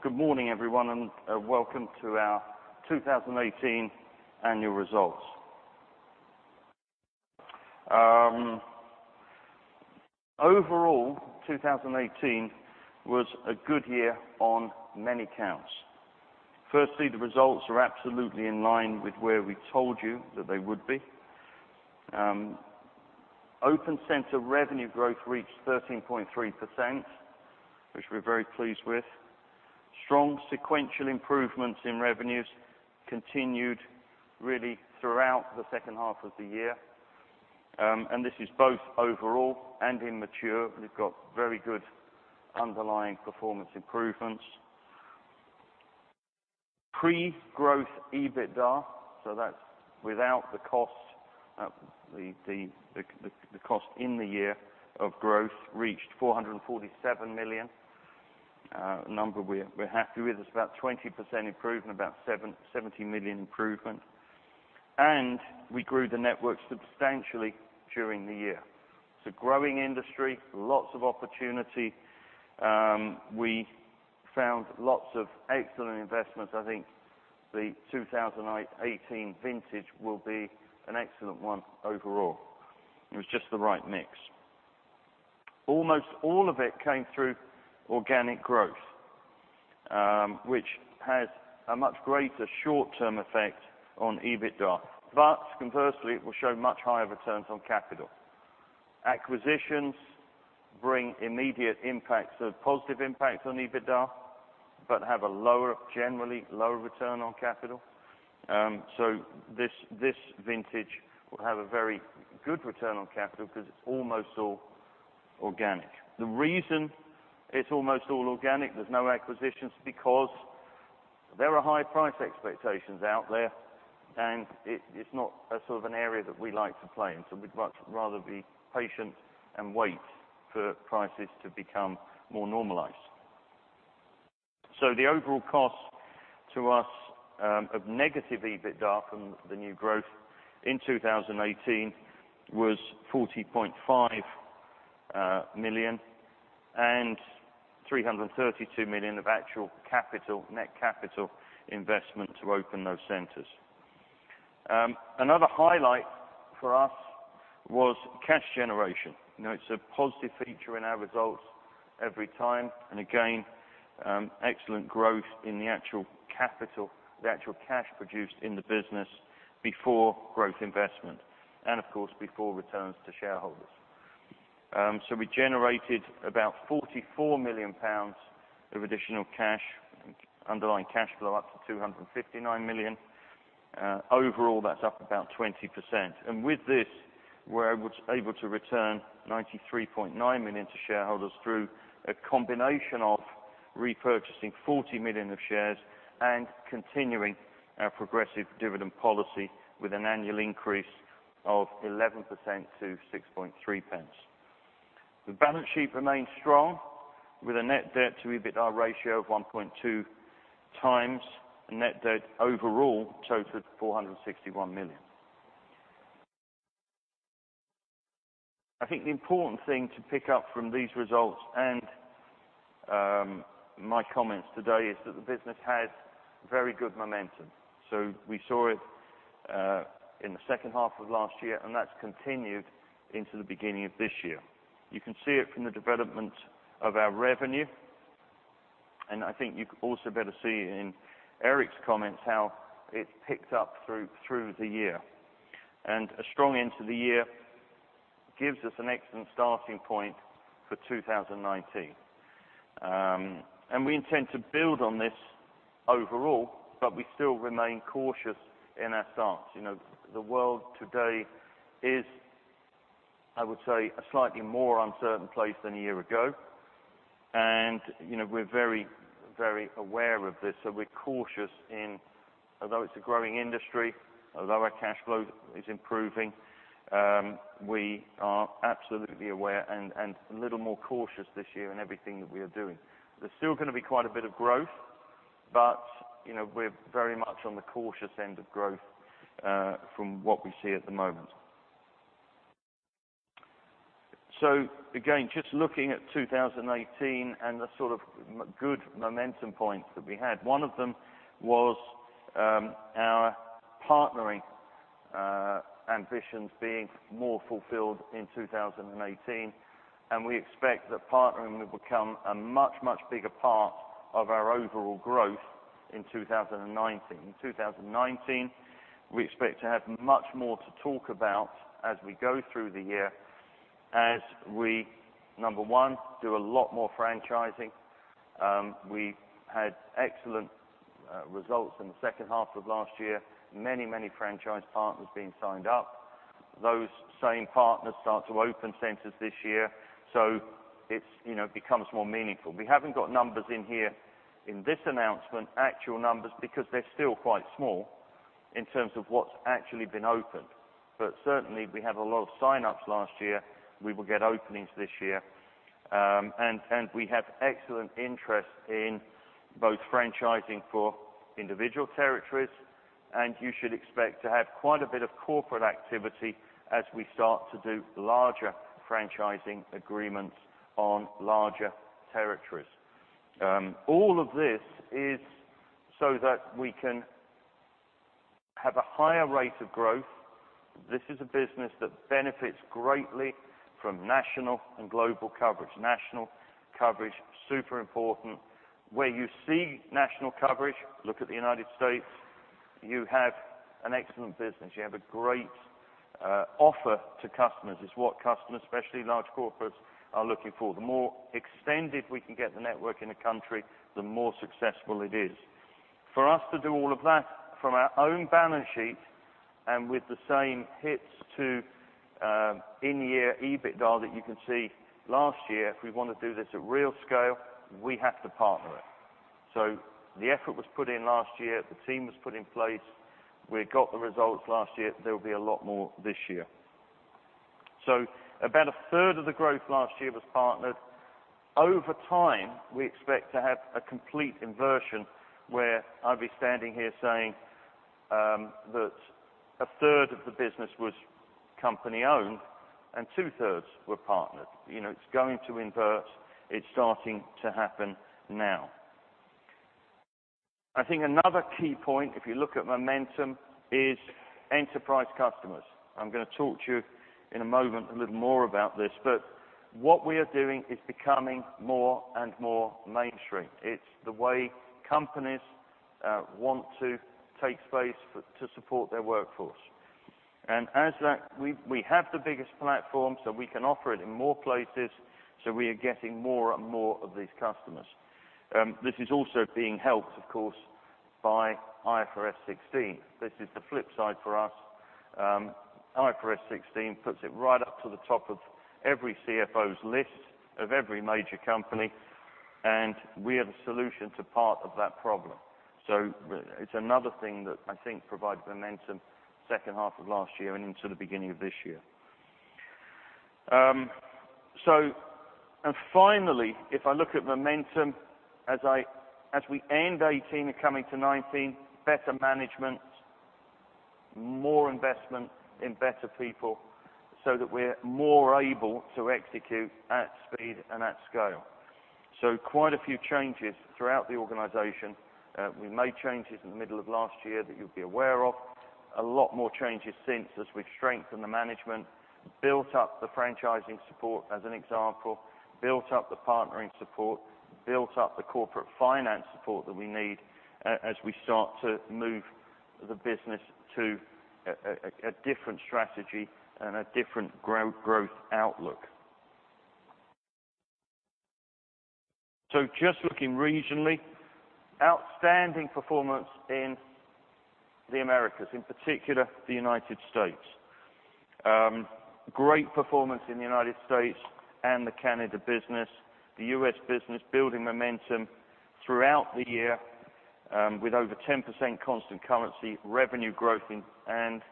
Good morning, everyone, and welcome to our 2018 annual results. Overall, 2018 was a good year on many counts. Firstly, the results are absolutely in line with where we told you that they would be. Open center revenue growth reached 13.3%, which we're very pleased with. Strong sequential improvements in revenues continued really throughout the second half of the year. This is both overall and in mature. We've got very good underlying performance improvements. Pre-growth EBITDA, so that's without the cost in the year of growth, reached 447 million, a number we're happy with. It's about 20% improvement, about 70 million improvement. We grew the network substantially during the year. It's a growing industry, lots of opportunity. We found lots of excellent investments. I think the 2018 vintage will be an excellent one overall. It was just the right mix. Almost all of it came through organic growth, which has a much greater short-term effect on EBITDA, but conversely, it will show much higher returns on capital. Acquisitions bring immediate impacts of positive impact on EBITDA, but have a generally lower return on capital. This vintage will have a very good return on capital because it's almost all organic. The reason it's almost all organic, there's no acquisitions, because there are high price expectations out there, and it's not a sort of an area that we like to play in. We'd much rather be patient and wait for prices to become more normalized. The overall cost to us of negative EBITDA from the new growth in 2018 was 40.5 million and 332 million of actual net capital investment to open those centers. Another highlight for us was cash generation. It's a positive feature in our results every time. Again, excellent growth in the actual cash produced in the business before growth investment and of course, before returns to shareholders. We generated about 44 million pounds of additional cash, underlying cash flow up to 259 million. Overall, that's up about 20%. With this, we're able to return 93.9 million to shareholders through a combination of repurchasing 40 million of shares and continuing our progressive dividend policy with an annual increase of 11% to 0.063. The balance sheet remains strong with a net debt to EBITDA ratio of 1.2 times and net debt overall totaled 461 million. I think the important thing to pick up from these results and my comments today is that the business has very good momentum. We saw it in the second half of last year, and that's continued into the beginning of this year. You can see it from the development of our revenue, and I think you can also better see in Eric's comments how it picked up through the year. A strong end to the year gives us an excellent starting point for 2019. We intend to build on this overall, but we still remain cautious in our stance. The world today is, I would say, a slightly more uncertain place than a year ago, and we're very aware of this. We're cautious in, although it's a growing industry, although our cash flow is improving, we are absolutely aware and a little more cautious this year in everything that we are doing. There's still going to be quite a bit of growth, but we're very much on the cautious end of growth from what we see at the moment. Again, just looking at 2018 and the sort of good momentum points that we had, one of them was our partnering ambitions being more fulfilled in 2018, and we expect that partnering will become a much, much bigger part of our overall growth in 2019. In 2019, we expect to have much more to talk about as we go through the year as we, number one, do a lot more franchising. We had excellent results in the second half of last year. Many franchise partners being signed up. Those same partners start to open centers this year, so it becomes more meaningful. We haven't got numbers in here in this announcement, actual numbers, because they're still quite small in terms of what's actually been opened. Certainly, we have a lot of sign-ups last year. We will get openings this year. We have excellent interest in both franchising for individual territories. You should expect to have quite a bit of corporate activity as we start to do larger franchising agreements on larger territories. All of this is so that we can have a higher rate of growth. This is a business that benefits greatly from national and global coverage. National coverage, super important. Where you see national coverage, look at the U.S., you have an excellent business. You have a great offer to customers. It's what customers, especially large corporates, are looking for. The more extended we can get the network in a country, the more successful it is. For us to do all of that from our own balance sheet and with the same hits to in-year EBITDA that you can see last year, if we want to do this at real scale, we have to partner it. The effort was put in last year. The team was put in place. We got the results last year. There will be a lot more this year. About a third of the growth last year was partnered. Over time, we expect to have a complete inversion where I'd be standing here saying that a third of the business was company-owned and two-thirds were partnered. It's going to invert. It's starting to happen now. I think another key point, if you look at momentum, is enterprise customers. I'm going to talk to you in a moment a little more about this, but what we are doing is becoming more and more mainstream. It's the way companies want to take space to support their workforce. As that, we have the biggest platform, so we can offer it in more places. We are getting more and more of these customers. This is also being helped, of course, by IFRS 16. This is the flip side for us. IFRS 16 puts it right up to the top of every CFO's list of every major company, and we are the solution to part of that problem. It's another thing that I think provided momentum second half of last year and into the beginning of this year. Finally, if I look at momentum as we end 2018 and coming to 2019, better management, more investment in better people so that we're more able to execute at speed and at scale. Quite a few changes throughout the organization. We made changes in the middle of last year that you'll be aware of. A lot more changes since as we've strengthened the management, built up the franchising support, as an example, built up the partnering support, built up the corporate finance support that we need as we start to move the business to a different strategy and a different growth outlook. Just looking regionally, outstanding performance in the Americas, in particular, the U.S. Great performance in the U.S. and the Canada business. The U.S. business building momentum throughout the year, with over 10% constant currency revenue growth and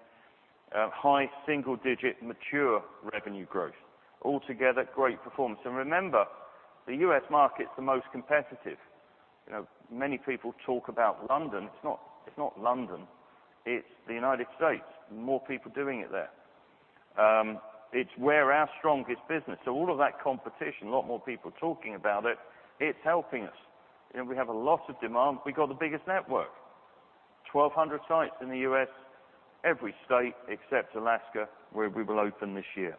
high single-digit mature revenue growth. Altogether, great performance. Remember, the U.S. market's the most competitive. Many people talk about London. It's not London, it's the U.S. More people doing it there. It's where our strongest business. All of that competition, a lot more people talking about it's helping us. We have a lot of demand. We got the biggest network. 1,200 sites in the U.S. Every state except Alaska, where we will open this year.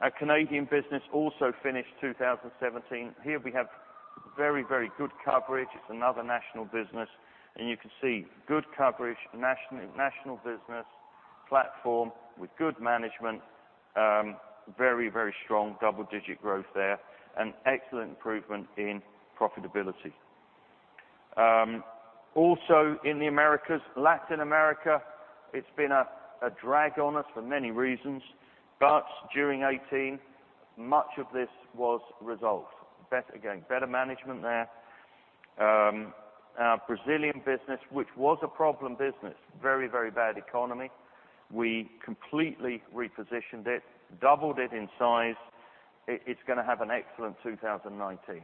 Our Canadian business also finished 2017. Here we have very good coverage. It's another national business. You can see good coverage, national business platform with good management. Very strong double-digit growth there. An excellent improvement in profitability. Also in the Americas, Latin America, it's been a drag on us for many reasons, but during 2018, much of this was resolved. Again, better management there. Our Brazilian business, which was a problem business. Very bad economy. We completely repositioned it, doubled it in size. It's going to have an excellent 2019.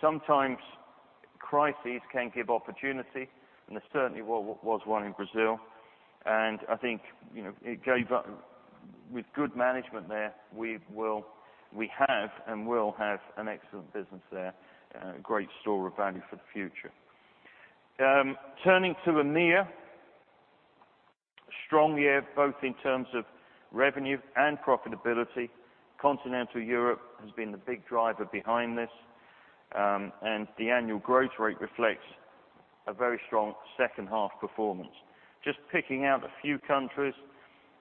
Sometimes crises can give opportunity, and there certainly was one in Brazil. I think with good management there, we have and will have an excellent business there. A great store of value for the future. Turning to EMEA. A strong year, both in terms of revenue and profitability. Continental Europe has been the big driver behind this. The annual growth rate reflects a very strong second half performance. Just picking out a few countries.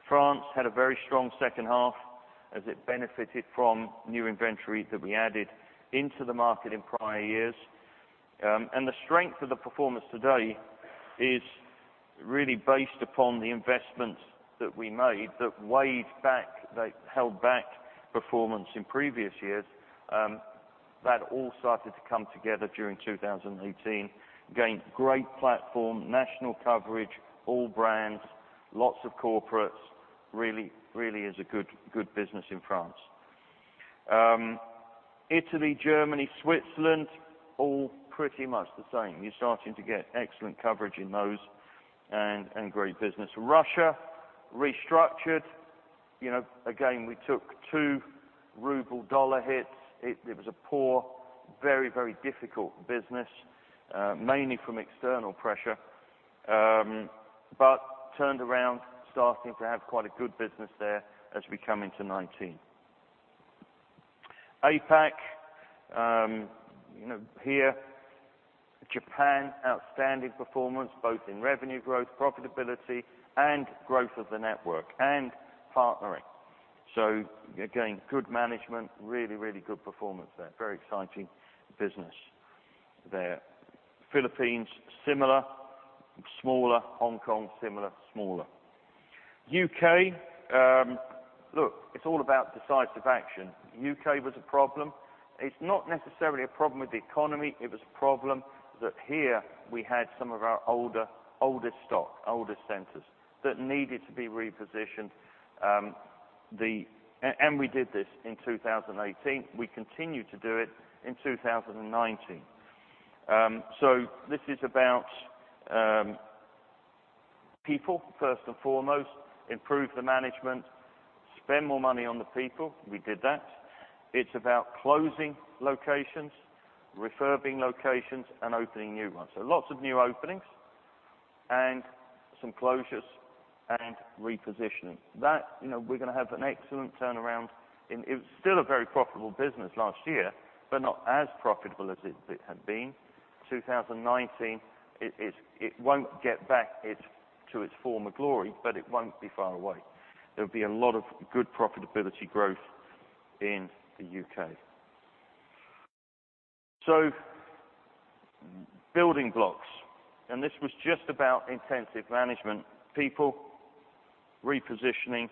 France had a very strong second half as it benefited from new inventory that we added into the market in prior years. The strength of the performance today is really based upon the investments that we made that held back performance in previous years. That all started to come together during 2018. Again, great platform, national coverage, all brands, lots of corporates. Really is a good business in France. Italy, Germany, Switzerland, all pretty much the same. You're starting to get excellent coverage in those and great business. Russia, restructured. Again, we took 2 ruble dollar hits. It was a poor, very difficult business, mainly from external pressure. Turned around, starting to have quite a good business there as we come into 2019. APAC, here, Japan, outstanding performance both in revenue growth, profitability, and growth of the network, and partnering. Again, good management, really good performance there. Very exciting business there. Philippines, similar, smaller. Hong Kong, similar, smaller. U.K., look, it's all about decisive action. U.K. was a problem. It's not necessarily a problem with the economy. It was a problem that here we had some of our older stock, older centers that needed to be repositioned. We did this in 2018. We continue to do it in 2019. This is about people, first and foremost. Improve the management, spend more money on the people. We did that. It's about closing locations, refurbing locations, and opening new ones. Lots of new openings and some closures and repositioning. That, we're going to have an excellent turnaround. It was still a very profitable business last year, but not as profitable as it had been. 2019, it won't get back to its former glory, but it won't be far away. There'll be a lot of good profitability growth in the U.K. Building blocks, and this was just about intensive management. People, repositioning,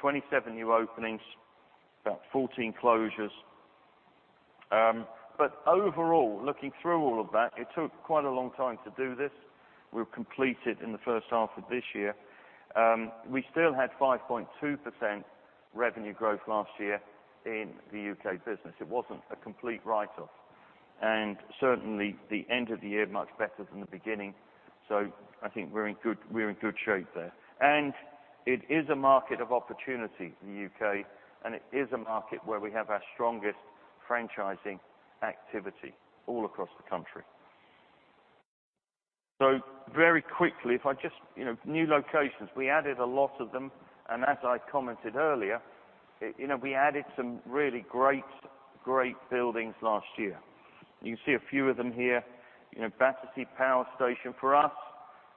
27 new openings, about 14 closures. Overall, looking through all of that, it took quite a long time to do this. We've completed in the first half of this year. We still had 5.2% revenue growth last year in the U.K. business. It wasn't a complete write-off, and certainly the end of the year much better than the beginning. I think we're in good shape there. It is a market of opportunity in the U.K., and it is a market where we have our strongest franchising activity all across the country. Very quickly, new locations. We added a lot of them, and as I commented earlier, we added some really great buildings last year. You can see a few of them here. Battersea Power Station for us,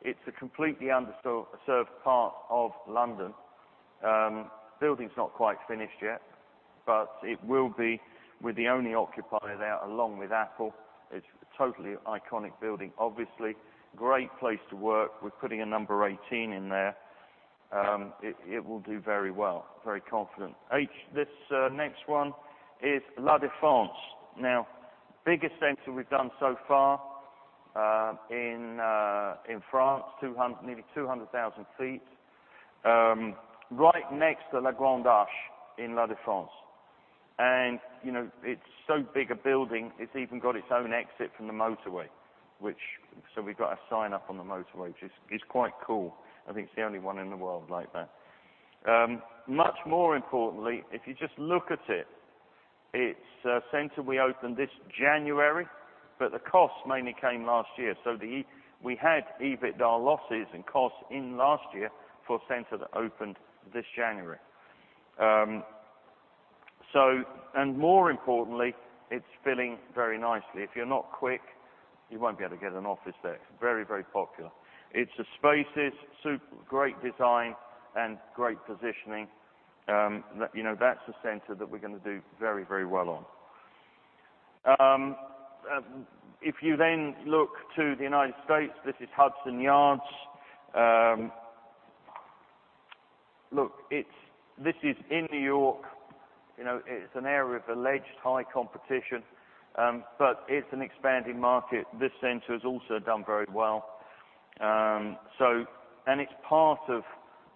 it's a completely underserved part of London. Building's not quite finished yet, but it will be. We're the only occupier there along with Apple. It's a totally iconic building, obviously. Great place to work. We're putting a No. 18 in there. It will do very well. Very confident. This next one is La Défense. Biggest center we've done so far in France. Nearly 200,000 feet. Right next to La Grande Arche in La Défense. It's so big a building, it's even got its own exit from the motorway. We've got a sign up on the motorway, which is quite cool. I think it's the only one in the world like that. Much more importantly, if you just look at it's a center we opened this January, but the costs mainly came last year. We had EBITDA losses and costs in last year for a center that opened this January. More importantly, it's filling very nicely. If you're not quick, you won't be able to get an office there. It's very popular. It's the Spaces, great design and great positioning. That's a center that we're going to do very well on. If you then look to the U.S., this is Hudson Yards. This is in New York. It's an area of alleged high competition, but it's an expanding market. This center has also done very well. It's part of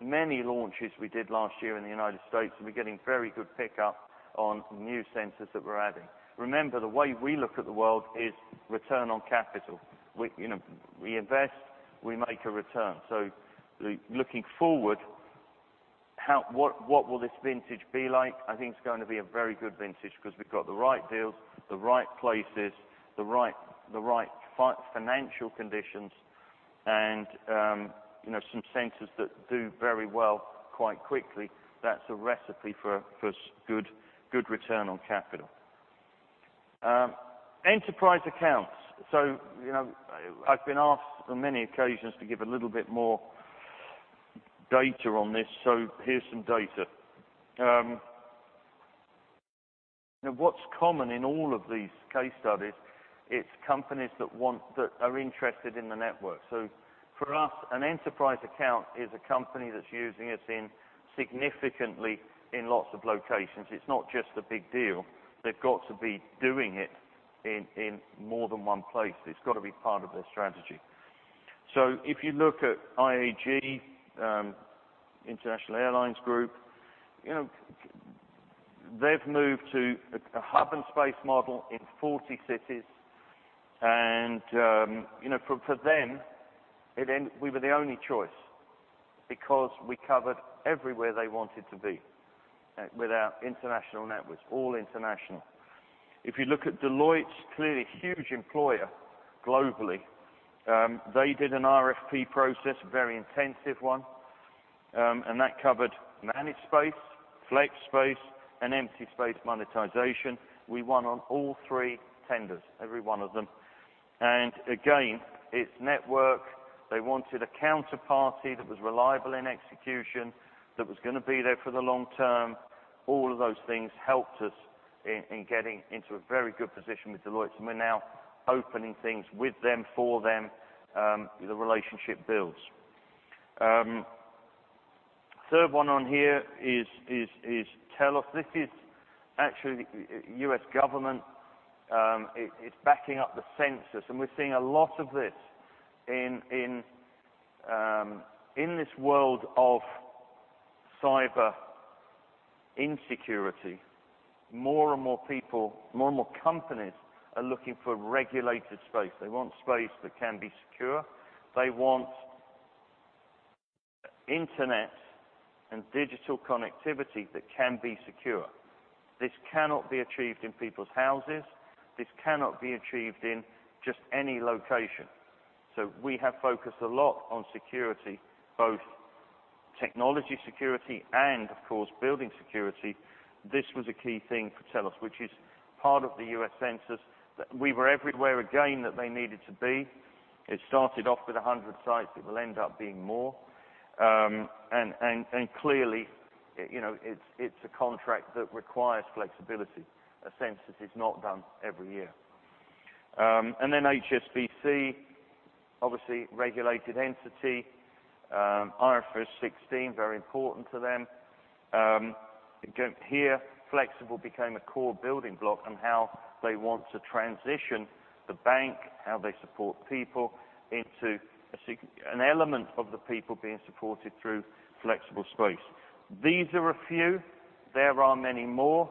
many launches we did last year in the U.S., and we're getting very good pickup on new centers that we're adding. Remember, the way we look at the world is return on capital. We invest, we make a return. Looking forward, what will this vintage be like? I think it's going to be a very good vintage because we've got the right deals, the right places, the right financial conditions, and some centers that do very well quite quickly. That's a recipe for good return on capital. Enterprise accounts. I've been asked on many occasions to give a little bit more data on this. Here's some data. What's common in all of these case studies, it's companies that are interested in the network. For us, an enterprise account is a company that's using us significantly in lots of locations. It's not just a big deal. They've got to be doing it in more than one place. It's got to be part of their strategy. If you look at IAG, International Airlines Group, they've moved to a hub and space model in 40 cities, and for them, we were the only choice because we covered everywhere they wanted to be with our international networks, all international. If you look at Deloitte, clearly huge employer globally. They did an RFP process, a very intensive one, that covered managed space, flex space, and empty space monetization. We won on all three tenders, every one of them. Again, it's network. They wanted a counterparty that was reliable in execution, that was going to be there for the long term. All of those things helped us in getting into a very good position with Deloitte, and we're now opening things with them, for them, the relationship builds. Third one on here is Telos. This is actually U.S. government. It's backing up the Census, and we're seeing a lot of this in this world of cyber insecurity. More and more people, more and more companies are looking for regulated space. They want space that can be secure. They want internet and digital connectivity that can be secure. This cannot be achieved in people's houses. This cannot be achieved in just any location. We have focused a lot on security, both technology security and, of course, building security. This was a key thing for Telos, which is part of the U.S. Census. We were everywhere again that they needed to be. It started off with 100 sites. It will end up being more. Clearly, it's a contract that requires flexibility. A census is not done every year. HSBC, obviously regulated entity, IFRS 16, very important to them. Again, here, flexible became a core building block on how they want to transition the bank, how they support people into an element of the people being supported through flexible space. These are a few. There are many more.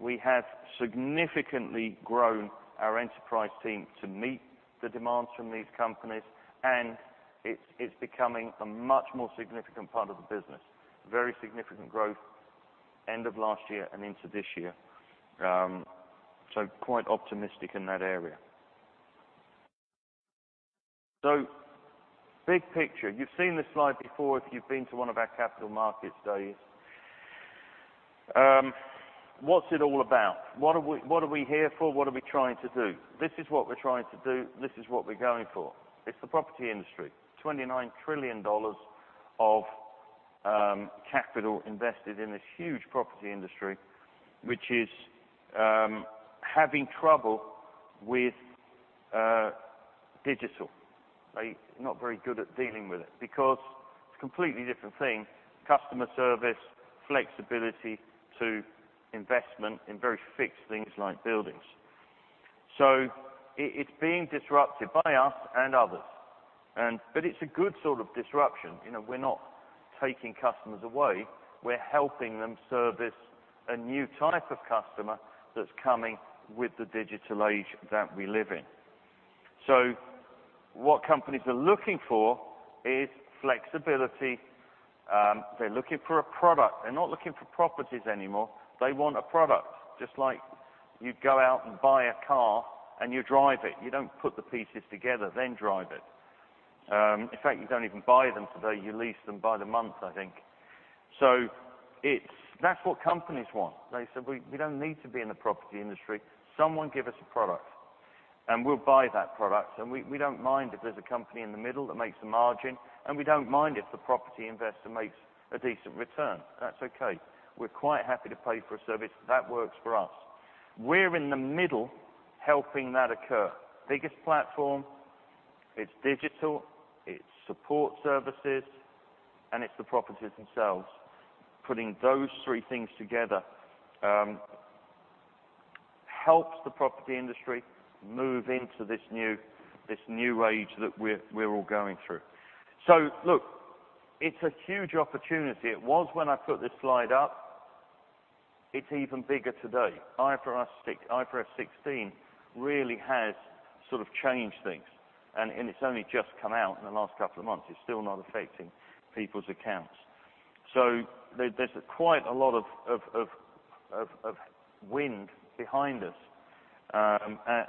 We have significantly grown our enterprise team to meet the demands from these companies, and it's becoming a much more significant part of the business. Very significant growth end of last year and into this year. Quite optimistic in that area. Big picture. You've seen this slide before if you've been to one of our capital markets days. What's it all about? What are we here for? What are we trying to do? This is what we're trying to do. This is what we're going for. It's the property industry. $29 trillion of capital invested in this huge property industry, which is having trouble with digital. They're not very good at dealing with it because it's a completely different thing. Customer service, flexibility to investment in very fixed things like buildings. It's being disrupted by us and others. It's a good sort of disruption. We're not taking customers away. We're helping them service a new type of customer that's coming with the digital age that we live in. What companies are looking for is flexibility. They're looking for a product. They're not looking for properties anymore. They want a product, just like you go out and buy a car and you drive it. You don't put the pieces together then drive it. In fact, you don't even buy them today. You lease them by the month, I think. That's what companies want. They said, "We don't need to be in the property industry. Someone give us a product, and we'll buy that product, and we don't mind if there's a company in the middle that makes a margin, and we don't mind if the property investor makes a decent return. That's okay. We're quite happy to pay for a service that works for us." We're in the middle helping that occur. Biggest platform, it's digital, it's support services, and it's the properties themselves. Putting those three things together helps the property industry move into this new age that we're all going through. Look, it's a huge opportunity. It was when I put this slide up. It's even bigger today. IFRS 16 really has sort of changed things, and it's only just come out in the last couple of months. It's still not affecting people's accounts. There's quite a lot of wind behind us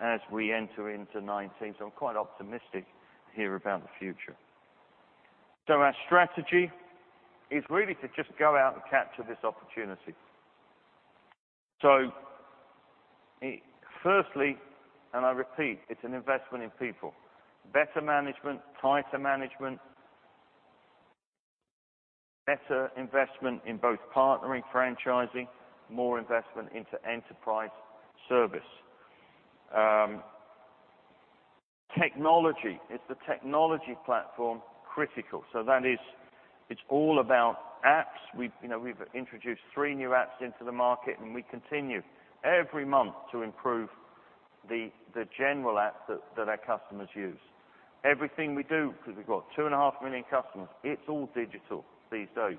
as we enter into 2019. I'm quite optimistic here about the future. Our strategy is really to just go out and capture this opportunity. Firstly, and I repeat, it's an investment in people. Better management, tighter management, better investment in both partnering, franchising, more investment into enterprise service. Technology. Is the technology platform critical? It's all about apps. We've introduced three new apps into the market, and we continue every month to improve the general app that our customers use. Everything we do, because we've got two and a half million customers, it's all digital these days.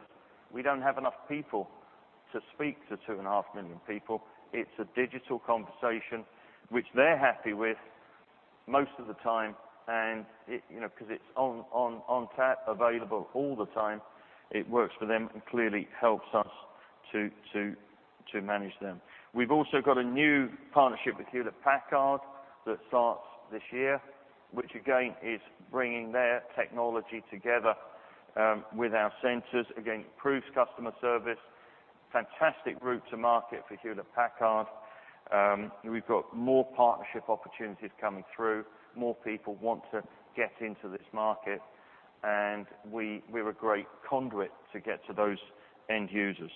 We don't have enough people to speak to two and a half million people. It's a digital conversation, which they're happy with most of the time, and because it's on tap, available all the time, it works for them and clearly helps us to manage them. We've also got a new partnership with Hewlett Packard that starts this year, which again is bringing their technology together with our centers. Again, improves customer service. Fantastic route to market for Hewlett Packard. We've got more partnership opportunities coming through. More people want to get into this market, and we're a great conduit to get to those end users.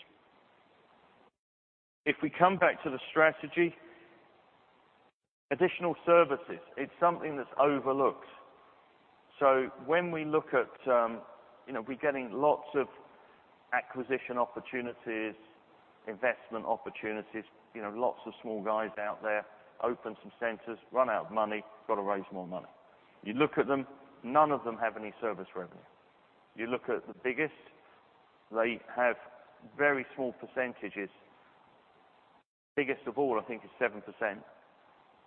If we come back to the strategy, additional services, it's something that's overlooked. We're getting lots of acquisition opportunities, investment opportunities, lots of small guys out there, open some centers, run out of money, got to raise more money. You look at them, none of them have any service revenue. You look at the biggest, they have very small percentages. Biggest of all, I think, is 7%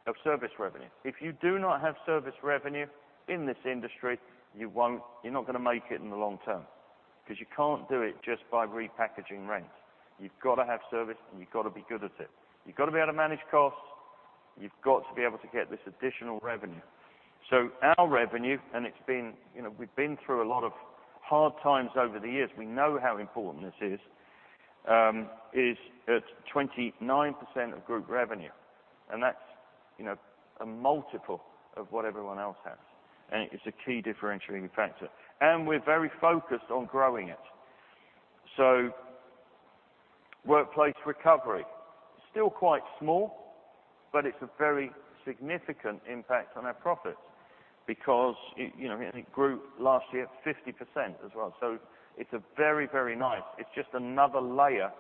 of service revenue. If you do not have service revenue in this industry, you're not going to make it in the long term because you can't do it just by repackaging rent. You've got to have service, and you've got to be good at it. You've got to be able to manage costs. You've got to be able to get this additional revenue. Our revenue, we've been through a lot of hard times over the years, we know how important this is at 29% of group revenue, that's a multiple of what everyone else has, it's a key differentiating factor. We're very focused on growing it. Workplace recovery. Still quite small, but it's a very significant impact on our profits because it grew last year 50% as well. It's very nice. It's just another layer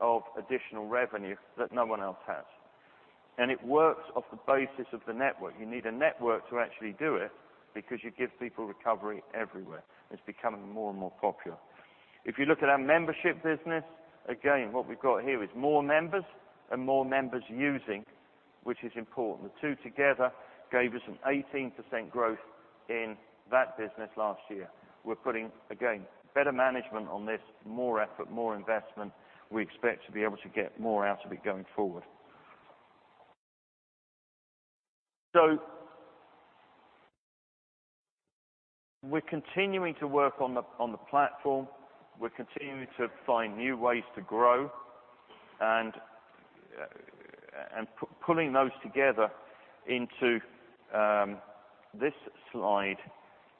of additional revenue that no one else has. It works off the basis of the network. You need a network to actually do it because you give people recovery everywhere. It's becoming more and more popular. If you look at our membership business, again, what we've got here is more members and more members using, which is important. The two together gave us an 18% growth in that business last year. We're putting, again, better management on this, more effort, more investment. We expect to be able to get more out of it going forward. We're continuing to work on the platform. We're continuing to find new ways to grow and pulling those together into this slide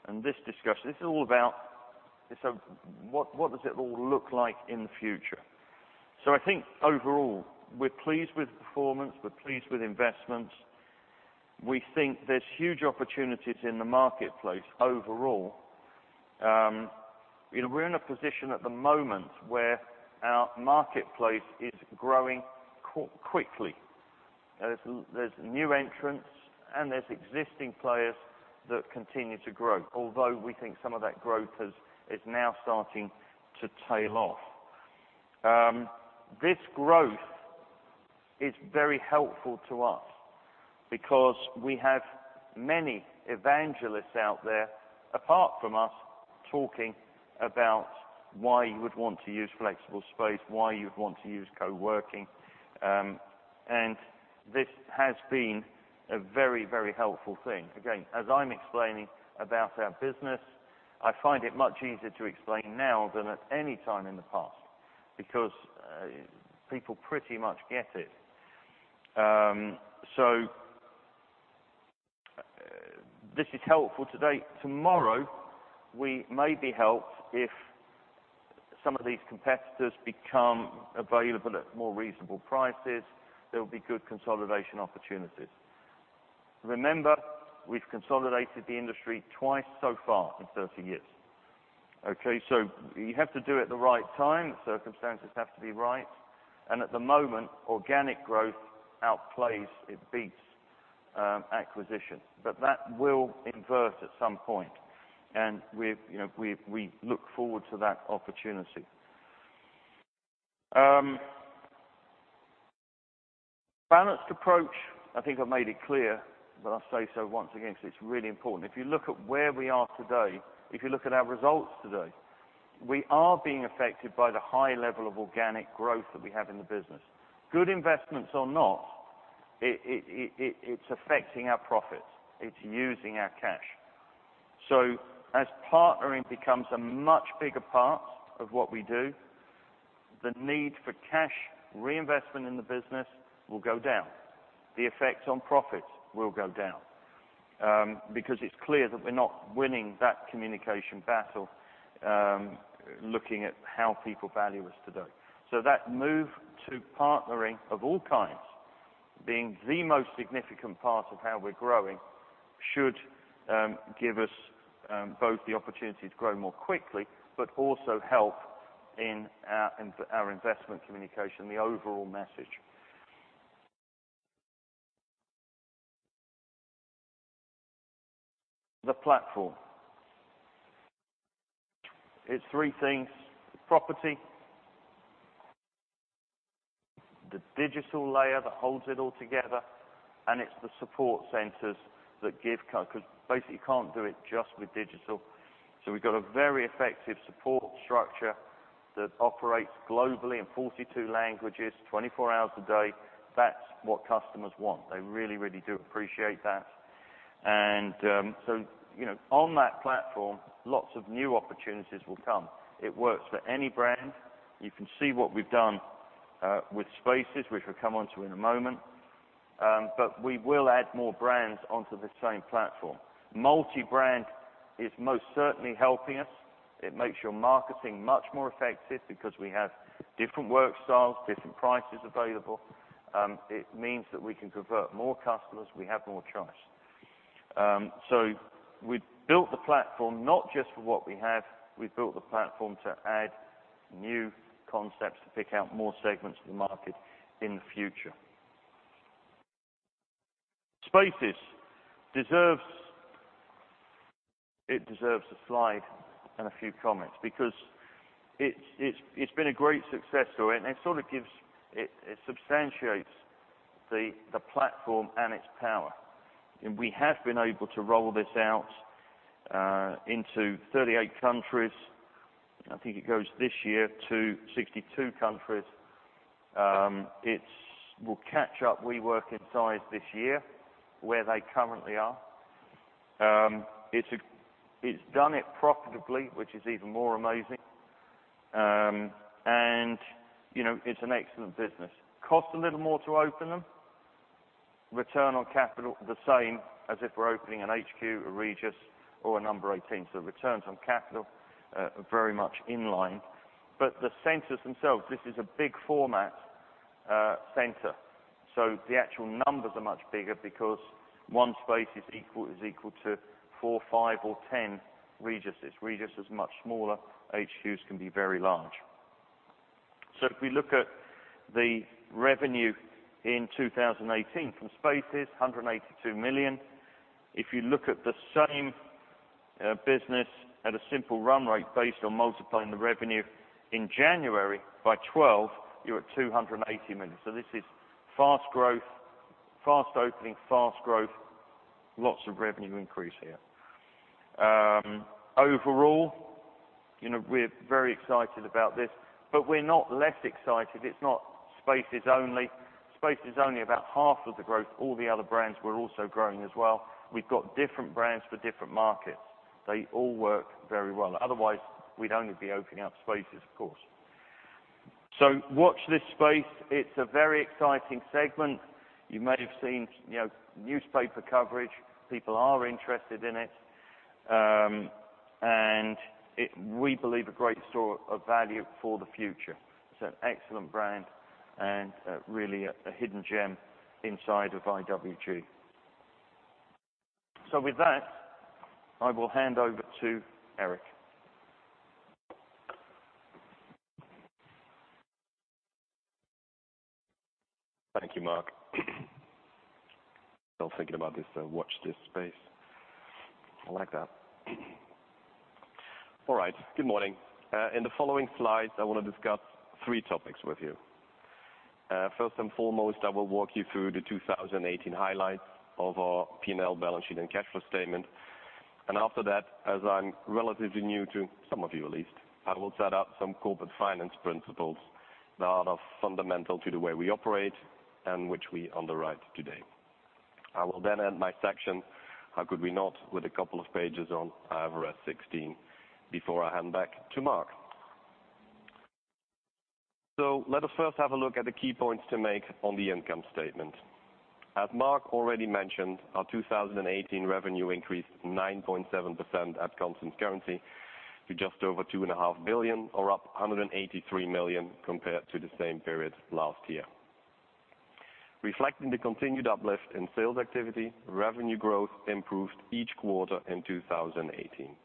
and this discussion. This is all about, what does it all look like in the future? I think overall, we're pleased with performance, we're pleased with investments. We think there's huge opportunities in the marketplace overall. We're in a position at the moment where our marketplace is growing quickly. There's new entrants and there's existing players that continue to grow, although we think some of that growth is now starting to tail off. This growth is very helpful to us because we have many evangelists out there, apart from us, talking about why you would want to use flexible space, why you would want to use co-working. This has been a very helpful thing. Again, as I'm explaining about our business, I find it much easier to explain now than at any time in the past, because people pretty much get it. This is helpful today. Tomorrow, we may be helped if some of these competitors become available at more reasonable prices. There will be good consolidation opportunities. Remember, we've consolidated the industry twice so far in 30 years. Okay? You have to do it at the right time. The circumstances have to be right. At the moment, organic growth outplays, it beats acquisition. That will invert at some point. We look forward to that opportunity. Balanced approach. I think I've made it clear, but I'll say so once again, because it's really important. If you look at where we are today, if you look at our results today, we are being affected by the high level of organic growth that we have in the business. Good investments or not, it's affecting our profits. It's using our cash. As partnering becomes a much bigger part of what we do, the need for cash reinvestment in the business will go down. The effect on profits will go down. It's clear that we're not winning that communication battle, looking at how people value us today. That move to partnering of all kindsBeing the most significant part of how we're growing should give us both the opportunity to grow more quickly, but also help in our investment communication, the overall message. The platform. It's three things, the property, the digital layer that holds it all together, and it's the support centers that give. Because basically you can't do it just with digital. We've got a very effective support structure that operates globally in 42 languages, 24 hours a day. That's what customers want. They really, really do appreciate that. On that platform, lots of new opportunities will come. It works for any brand. You can see what we've done with Spaces, which we'll come onto in a moment. We will add more brands onto the same platform. Multi-brand is most certainly helping us. It makes your marketing much more effective because we have different work styles, different prices available. It means that we can convert more customers. We have more choice. We built the platform not just for what we have. We built the platform to add new concepts, to pick out more segments of the market in the future. Spaces. It deserves a slide and a few comments because it's been a great success story and it sort of substantiates the platform and its power. We have been able to roll this out into 38 countries. I think it goes this year to 62 countries. It will catch up WeWork in size this year, where they currently are. It's done it profitably, which is even more amazing. It's an excellent business. Cost a little more to open them. Return on capital, the same as if we're opening an HQ, a Regus, or a No. 18. The returns on capital are very much in line. The centers themselves, this is a big format center. The actual numbers are much bigger because one Space is equal to four, five, or 10 Reguses. Regus is much smaller. HQs can be very large. If we look at the revenue in 2018 from Spaces, 182 million. If you look at the same business at a simple run rate based on multiplying the revenue in January by 12, you're at 280 million. This is fast growth, fast opening, fast growth, lots of revenue increase here. Overall, we're very excited about this, but we're not less excited. It's not Spaces only. Spaces is only about half of the growth. All the other brands were also growing as well. We've got different brands for different markets. They all work very well. Otherwise, we'd only be opening up Spaces, of course. Watch this space. It's a very exciting segment. You may have seen newspaper coverage. People are interested in it. We believe a great store of value for the future. It's an excellent brand and really a hidden gem inside of IWG. With that, I will hand over to Eric. Thank you, Mark. Still thinking about this, watch this space. I like that. All right. Good morning. In the following slides, I want to discuss three topics with you. First and foremost, I will walk you through the 2018 highlights of our P&L balance sheet and cash flow statement. After that, as I'm relatively new to some of you at least, I will set out some corporate finance principles that are fundamental to the way we operate and which we underwrite today. I will end my section, how could we not, with a couple of pages on IFRS 16 before I hand back to Mark. Let us first have a look at the key points to make on the income statement. As Mark already mentioned, our 2018 revenue increased 9.7% at constant currency to just over $2.5 billion or up $183 million compared to the same period last year. Reflecting the continued uplift in sales activity, revenue growth improved each quarter in 2018.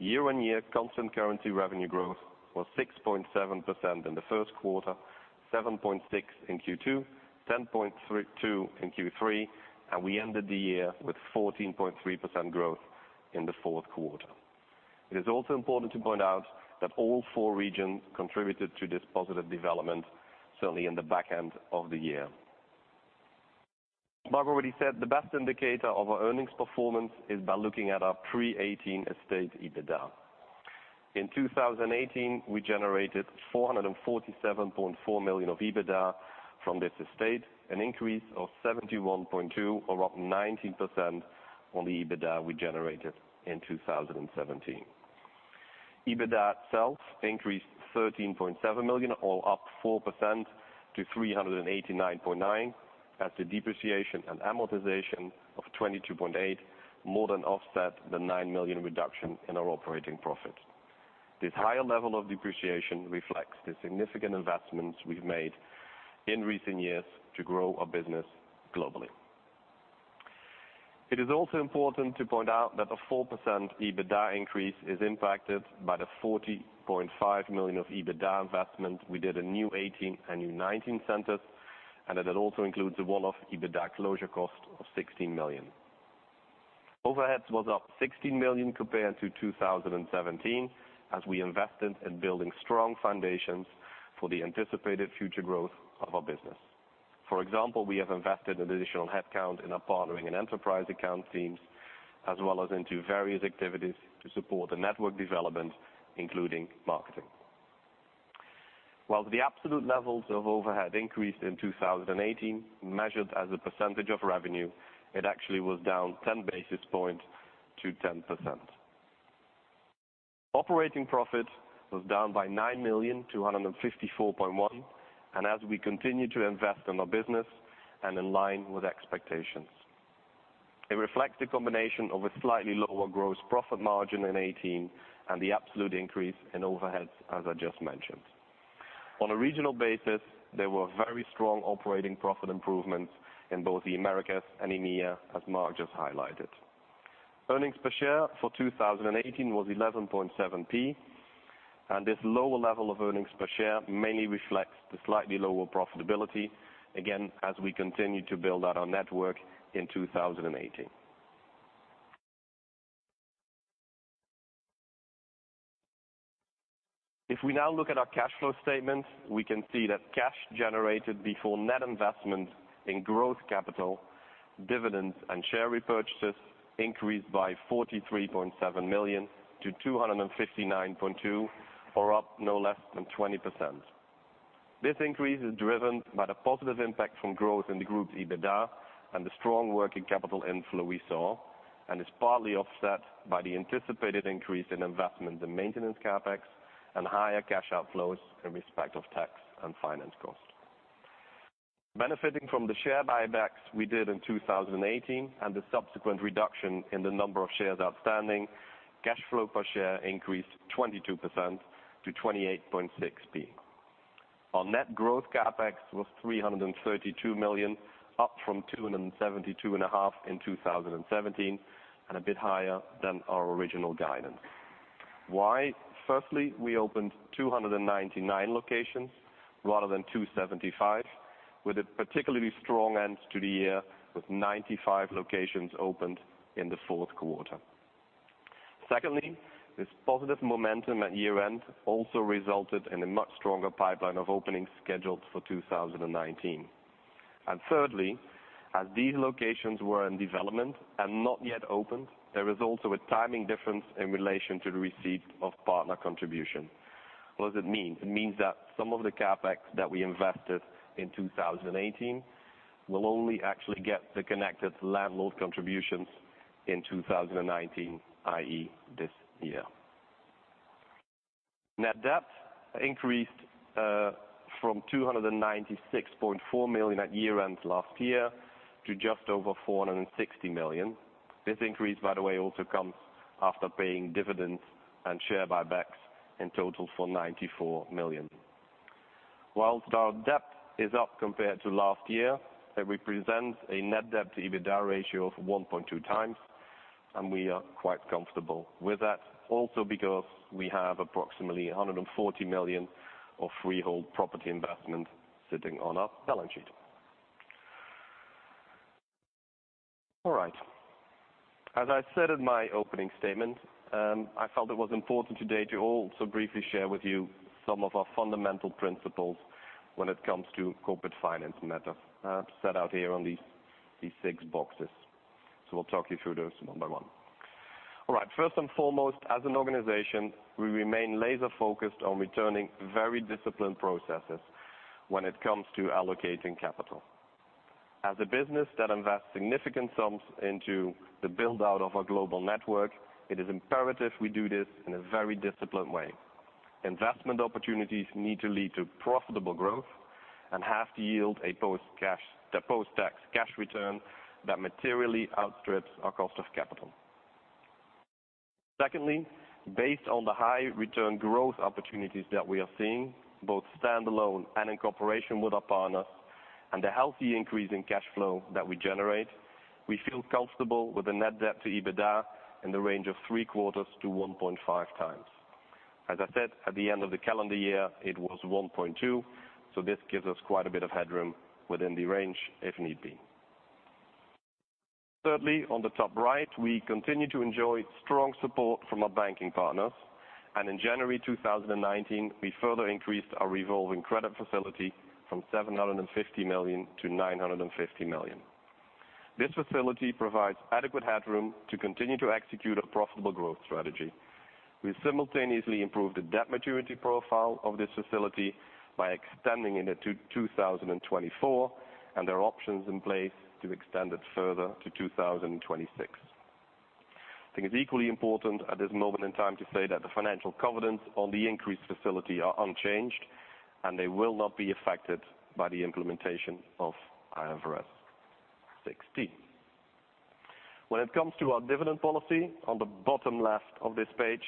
Year-on-year constant currency revenue growth was 6.7% in the first quarter, 7.6% in Q2, 10.2% in Q3, and we ended the year with 14.3% growth in the fourth quarter. It is also important to point out that all four regions contributed to this positive development, certainly in the back end of the year. Mark already said the best indicator of our earnings performance is by looking at our pre-2018 estate EBITDA. In 2018, we generated $447.4 million of EBITDA from this estate, an increase of $71.2 million or up 19% on the EBITDA we generated in 2017. EBITDA itself increased $13.7 million, or up 4% to $389.9 million as the depreciation and amortization of $22.8 million more than offset the $9 million reduction in our operating profit. This higher level of depreciation reflects the significant investments we've made in recent years to grow our business globally. It is also important to point out that a 4% EBITDA increase is impacted by the $40.5 million of EBITDA investment we did in new 2018 and new 2019 centers, and that it also includes a one-off EBITDA closure cost of $16 million. Overheads was up $16 million compared to 2017, as we invested in building strong foundations for the anticipated future growth of our business. For example, we have invested in additional headcount in our partnering and enterprise account teams, as well as into various activities to support the network development, including marketing. While the absolute levels of overhead increased in 2018, measured as a percentage of revenue, it actually was down 10 basis points to 10%. Operating profit was down by $9 million to $154.1 million. As we continue to invest in our business and in line with expectations, it reflects a combination of a slightly lower gross profit margin in 2018 and the absolute increase in overheads, as I just mentioned. On a regional basis, there were very strong operating profit improvements in both the Americas and EMEA, as Mark just highlighted. Earnings per share for 2018 was 0.117. This lower level of earnings per share mainly reflects the slightly lower profitability, again, as we continue to build out our network in 2018. If we now look at our cash flow statements, we can see that cash generated before net investment in growth capital, dividends, and share repurchases increased by 43.7 million to 259.2, or up no less than 20%. This increase is driven by the positive impact from growth in the group's EBITDA and the strong working capital inflow we saw, and is partly offset by the anticipated increase in investment in maintenance CapEx and higher cash outflows in respect of tax and finance cost. Benefiting from the share buybacks we did in 2018 and the subsequent reduction in the number of shares outstanding, cash flow per share increased 22% to 0.286. Our net growth CapEx was 332 million, up from 272.5 in 2017, and a bit higher than our original guidance. Why? Firstly, we opened 299 locations rather than 275, with a particularly strong end to the year, with 95 locations opened in the fourth quarter. Secondly, this positive momentum at year end also resulted in a much stronger pipeline of openings scheduled for 2019. Thirdly, as these locations were in development and not yet opened, there is also a timing difference in relation to the receipt of partner contribution. What does it mean? It means that some of the CapEx that we invested in 2018 will only actually get the connected landlord contributions in 2019, i.e. this year. Net debt increased from 296.4 million at year end last year to just over 460 million. This increase, by the way, also comes after paying dividends and share buybacks in total for 94 million. Whilst our debt is up compared to last year, it represents a net debt-to-EBITDA ratio of 1.2 times, and we are quite comfortable with that also because we have approximately 140 million of freehold property investment sitting on our balance sheet. All right. As I said in my opening statement, I felt it was important today to also briefly share with you some of our fundamental principles when it comes to corporate finance matters set out here on these six boxes. I'll talk you through those one by one. All right. First and foremost, as an organization, we remain laser focused on returning very disciplined processes when it comes to allocating capital. As a business that invests significant sums into the build-out of our global network, it is imperative we do this in a very disciplined way. Investment opportunities need to lead to profitable growth and have to yield a post-tax cash return that materially outstrips our cost of capital. Secondly, based on the high return growth opportunities that we are seeing, both standalone and in cooperation with our partners, and the healthy increase in cash flow that we generate, we feel comfortable with the net debt to EBITDA in the range of three quarters to 1.5 times. As I said, at the end of the calendar year, it was 1.2, this gives us quite a bit of headroom within the range if need be. Thirdly, on the top right, we continue to enjoy strong support from our banking partners. In January 2019, we further increased our revolving credit facility from 750 million to 950 million. This facility provides adequate headroom to continue to execute a profitable growth strategy. We simultaneously improved the debt maturity profile of this facility by extending it to 2024. There are options in place to extend it further to 2026. I think it's equally important at this moment in time to say that the financial covenants on the increased facility are unchanged. They will not be affected by the implementation of IFRS 16. When it comes to our dividend policy, on the bottom left of this page,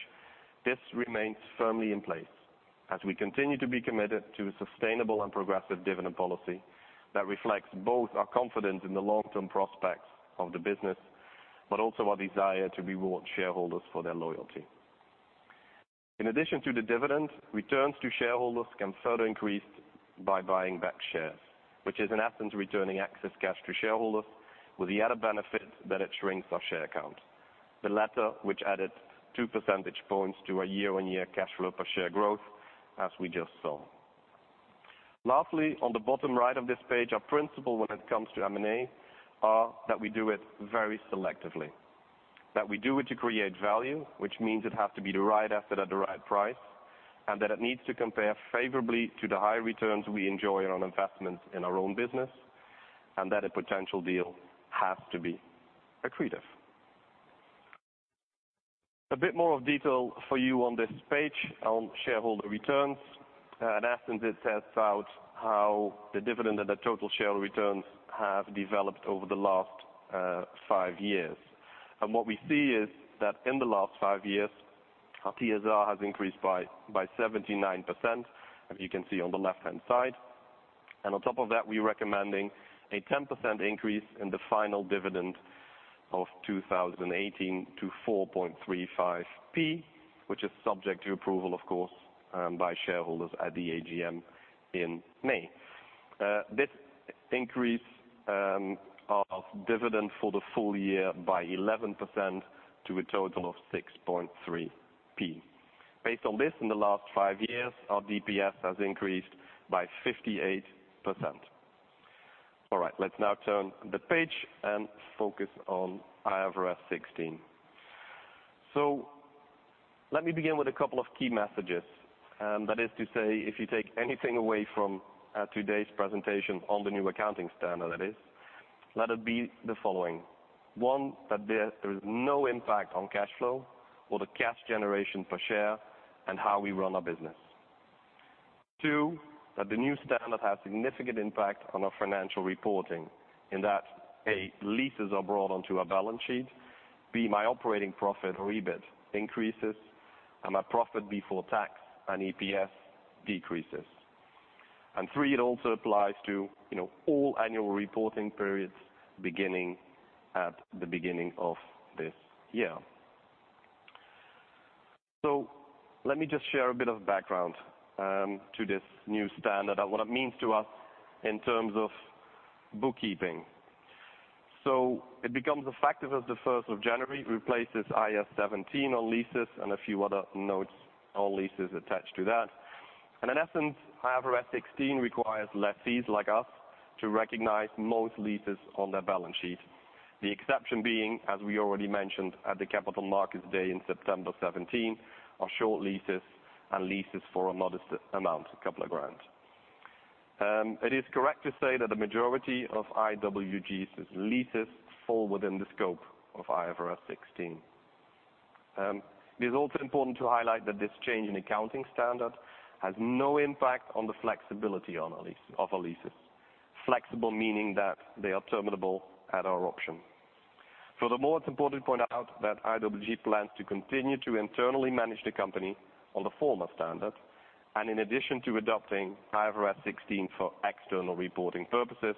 this remains firmly in place as we continue to be committed to a sustainable and progressive dividend policy that reflects both our confidence in the long-term prospects of the business, also our desire to reward shareholders for their loyalty. In addition to the dividend, returns to shareholders can further increase by buying back shares, which is, in essence, returning excess cash to shareholders with the added benefit that it shrinks our share count. The latter, which added two percentage points to our year-on-year cash flow per share growth, as we just saw. Lastly, on the bottom right of this page, our principle when it comes to M&A are that we do it very selectively, that we do it to create value, which means it has to be the right asset at the right price. It needs to compare favorably to the high returns we enjoy on investments in our own business, that a potential deal has to be accretive. A bit more of detail for you on this page on shareholder returns. In essence, it sets out how the dividend and the total share returns have developed over the last five years. What we see is that in the last five years, our TSR has increased by 79%, as you can see on the left-hand side. On top of that, we're recommending a 10% increase in the final dividend of 2018 to 4.35p, which is subject to approval, of course, by shareholders at the AGM in May. This increase of dividend for the full year by 11% to a total of 6.3p. Based on this, in the last five years, our DPS has increased by 58%. All right. Let's now turn the page and focus on IFRS 16. Let me begin with a couple of key messages. That is to say, if you take anything away from today's presentation on the new accounting standard that is, let it be the following. One, that there is no impact on cash flow or the cash generation per share and how we run our business. Two, that the new standard has significant impact on our financial reporting in that, A, leases are brought onto our balance sheet, B, my operating profit, or EBIT, increases. My profit before tax and EPS decreases. Three, it also applies to all annual reporting periods beginning at the beginning of this year. Let me just share a bit of background to this new standard and what it means to us in terms of bookkeeping. It becomes effective as 1st of January, replaces IAS 17 on leases and a few other notes on leases attached to that. In essence, IFRS 16 requires lessees like us to recognize most leases on their balance sheet. The exception being, as we already mentioned at the Capital Markets Day in September 2017, are short leases and leases for a modest amount, a couple of grand. It is correct to say that the majority of IWG's leases fall within the scope of IFRS 16. It is also important to highlight that this change in accounting standard has no impact on the flexibility of our leases. Flexible meaning that they are terminable at our option. Furthermore, it is important to point out that IWG plans to continue to internally manage the company on the former standard, and in addition to adopting IFRS 16 for external reporting purposes,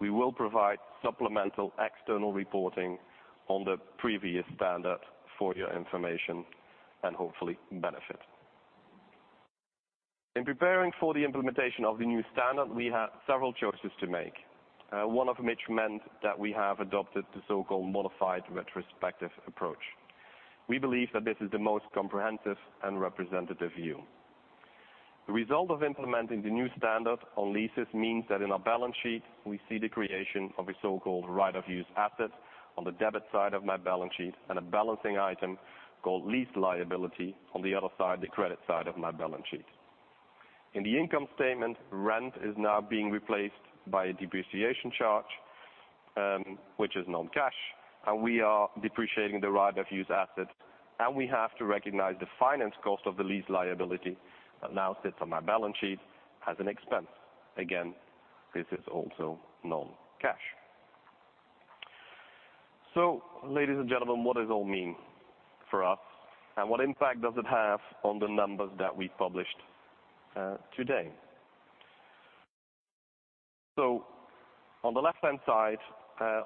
we will provide supplemental external reporting on the previous standard for your information and hopefully benefit. In preparing for the implementation of the new standard, we had several choices to make. One of which meant that we have adopted the so-called modified retrospective approach. We believe that this is the most comprehensive and representative view. The result of implementing the new standard on leases means that in our balance sheet, we see the creation of a so-called right-of-use asset on the debit side of my balance sheet and a balancing item called lease liability on the other side, the credit side of my balance sheet. In the income statement, rent is now being replaced by a depreciation charge, which is non-cash, and we are depreciating the right-of-use asset, and we have to recognize the finance cost of the lease liability that now sits on my balance sheet as an expense. Again, this is also non-cash. Ladies and gentlemen, what does it all mean for us? What impact does it have on the numbers that we published today? On the left-hand side,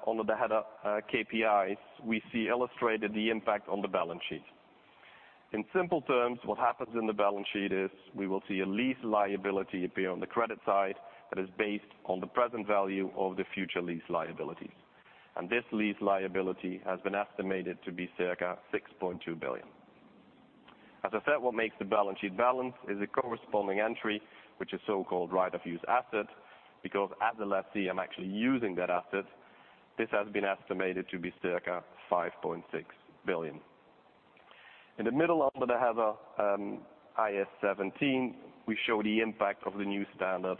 under the header KPIs, we see illustrated the impact on the balance sheet. In simple terms, what happens in the balance sheet is we will see a lease liability appear on the credit side that is based on the present value of the future lease liabilities. This lease liability has been estimated to be circa 6.2 billion. As I said, what makes the balance sheet balance is a corresponding entry, which is so-called right-of-use asset, because as a lessee, I'm actually using that asset. This has been estimated to be circa 5.6 billion. In the middle under the header IAS 17, we show the impact of the new standard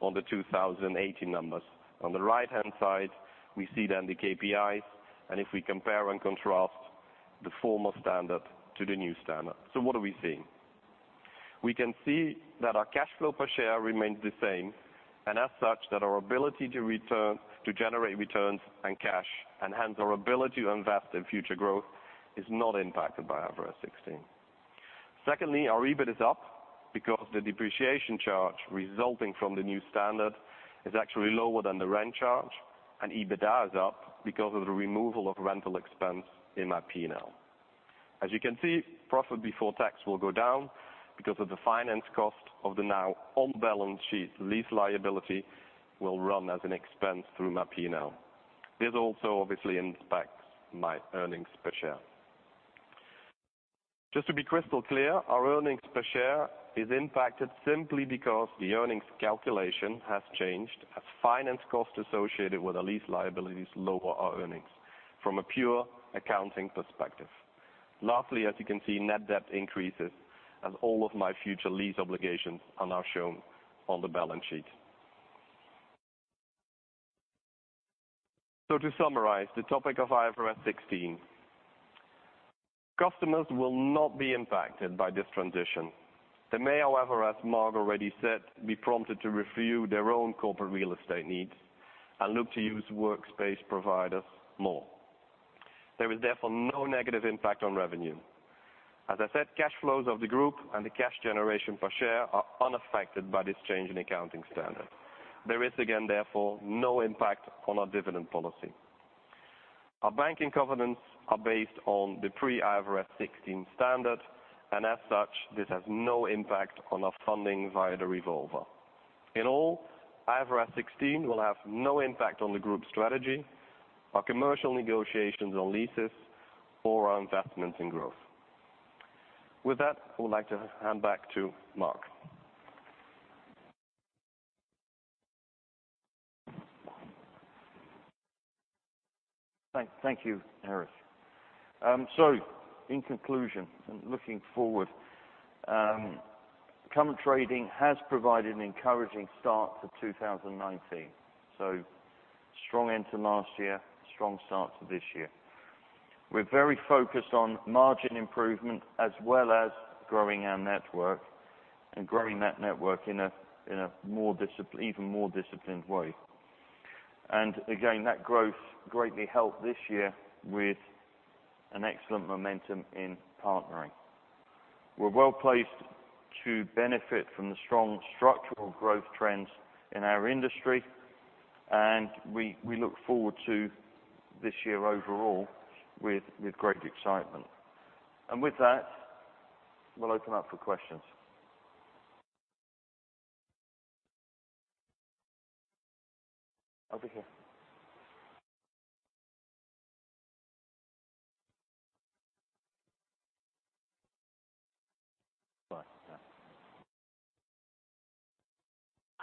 on the 2018 numbers. On the right-hand side, we see then the KPIs. If we compare and contrast the former standard to the new standard. What are we seeing? We can see that our cash flow per share remains the same, and as such, that our ability to generate returns and cash, and hence our ability to invest in future growth, is not impacted by IFRS 16. Secondly, our EBIT is up because the depreciation charge resulting from the new standard is actually lower than the rent charge, and EBITDA is up because of the removal of rental expense in my P&L. You can see, profit before tax will go down because of the finance cost of the now on-balance sheet lease liability will run as an expense through my P&L. This also obviously impacts my earnings per share. Just to be crystal clear, our earnings per share is impacted simply because the earnings calculation has changed as finance cost associated with our lease liabilities lower our earnings from a pure accounting perspective. Lastly, as you can see, net debt increases as all of my future lease obligations are now shown on the balance sheet. To summarize the topic of IFRS 16, customers will not be impacted by this transition. They may, however, as Mark already said, be prompted to review their own corporate real estate needs and look to use workspace providers more. There is therefore no negative impact on revenue. As I said, cash flows of the group and the cash generation per share are unaffected by this change in accounting standard. There is, again, therefore, no impact on our dividend policy. Our banking covenants are based on the pre-IFRS 16 standard, and as such, this has no impact on our funding via the revolver. In all, IFRS 16 will have no impact on the group strategy, our commercial negotiations on leases, or our investments in growth. With that, I would like to hand back to Mark. Thank you, Eric. In conclusion, and looking forward, current trading has provided an encouraging start to 2019. Strong end to last year, strong start to this year. We're very focused on margin improvement as well as growing our network and growing that network in an even more disciplined way. Again, that growth greatly helped this year with an excellent momentum in partnering. We're well-placed to benefit from the strong structural growth trends in our industry, and we look forward to this year overall with great excitement. With that, we'll open up for questions. Over here.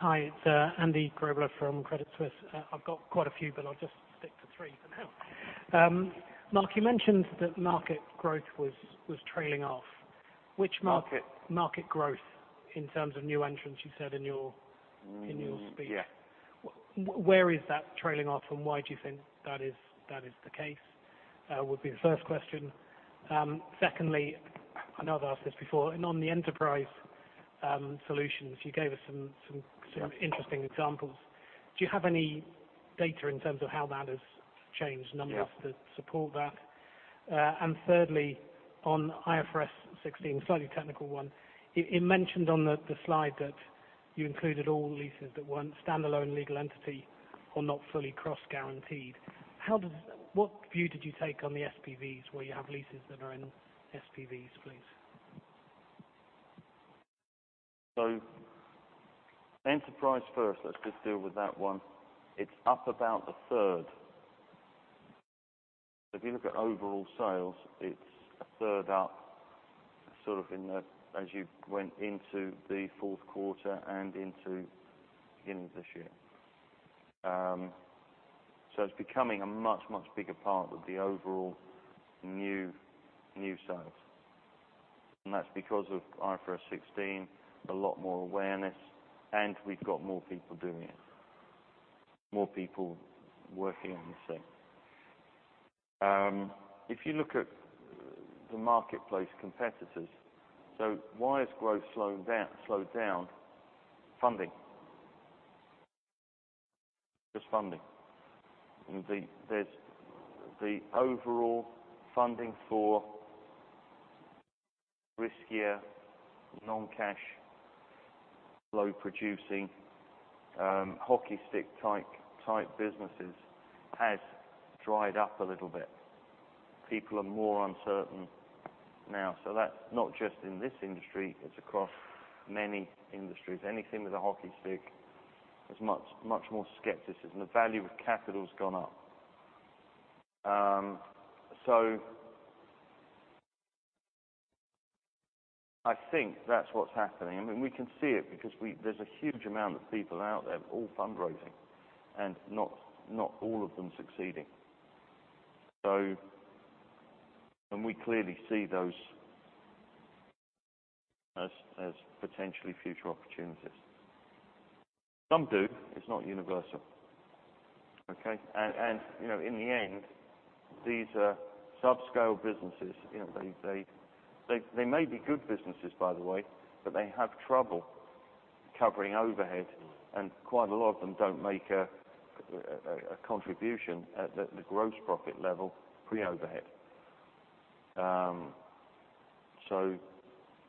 Go on, yeah. Hi, it's Andy Grobler from Credit Suisse. I've got quite a few, but I'll just stick to three for now. Mark, you mentioned that market growth was trailing off. Which market? Market growth in terms of new entrants, you said in your speech. Yeah. Where is that trailing off, and why do you think that is the case? Would be the first question. Secondly, I know I've asked this before, on the enterprise solutions, you gave us some interesting examples. Do you have any data in terms of how that has changed numbers- Yeah to support that? Thirdly, on IFRS 16, slightly technical one. It mentioned on the slide that you included all leases that weren't standalone legal entity or not fully cross-guaranteed. What view did you take on the SPVs where you have leases that are in SPVs, please? Enterprise first. Let's just deal with that one. It's up about a third. If you look at overall sales, it's a third up, sort of as you went into the fourth quarter and into the beginning of this year. It's becoming a much, much bigger part of the overall new sales. That's because of IFRS 16, a lot more awareness, and we've got more people doing it. More people working on the same. If you look at the marketplace competitors. Why has growth slowed down? Funding. Just funding. The overall funding for riskier, non-cash, flow-producing, hockey stick-type businesses has dried up a little bit. People are more uncertain now. That's not just in this industry. It's across many industries. Anything with a hockey stick, there's much more skepticism. The value of capital has gone up. I think that's what's happening. We can see it because there's a huge amount of people out there all fundraising and not all of them succeeding. We clearly see those as potentially future opportunities. Some do. It's not universal. Okay? In the end, these are sub-scale businesses. They may be good businesses, by the way, but they have trouble covering overhead and quite a lot of them don't make a contribution at the gross profit level pre overhead.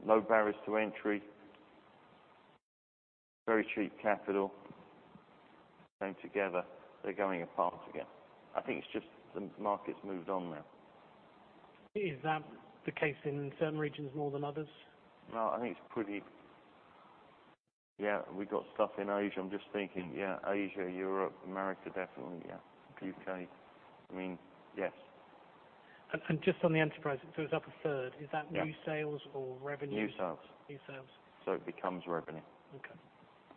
Low barriers to entry, very cheap capital came together. They're going apart again. I think it's just the market's moved on now. Is that the case in certain regions more than others? No, I think it's pretty. We got stuff in Asia. I'm just thinking. Asia, Europe, America, definitely. U.K. I mean, yes. Just on the enterprise, it's up a third. Yeah. Is that new sales or revenue? New sales. New sales. It becomes revenue. Okay.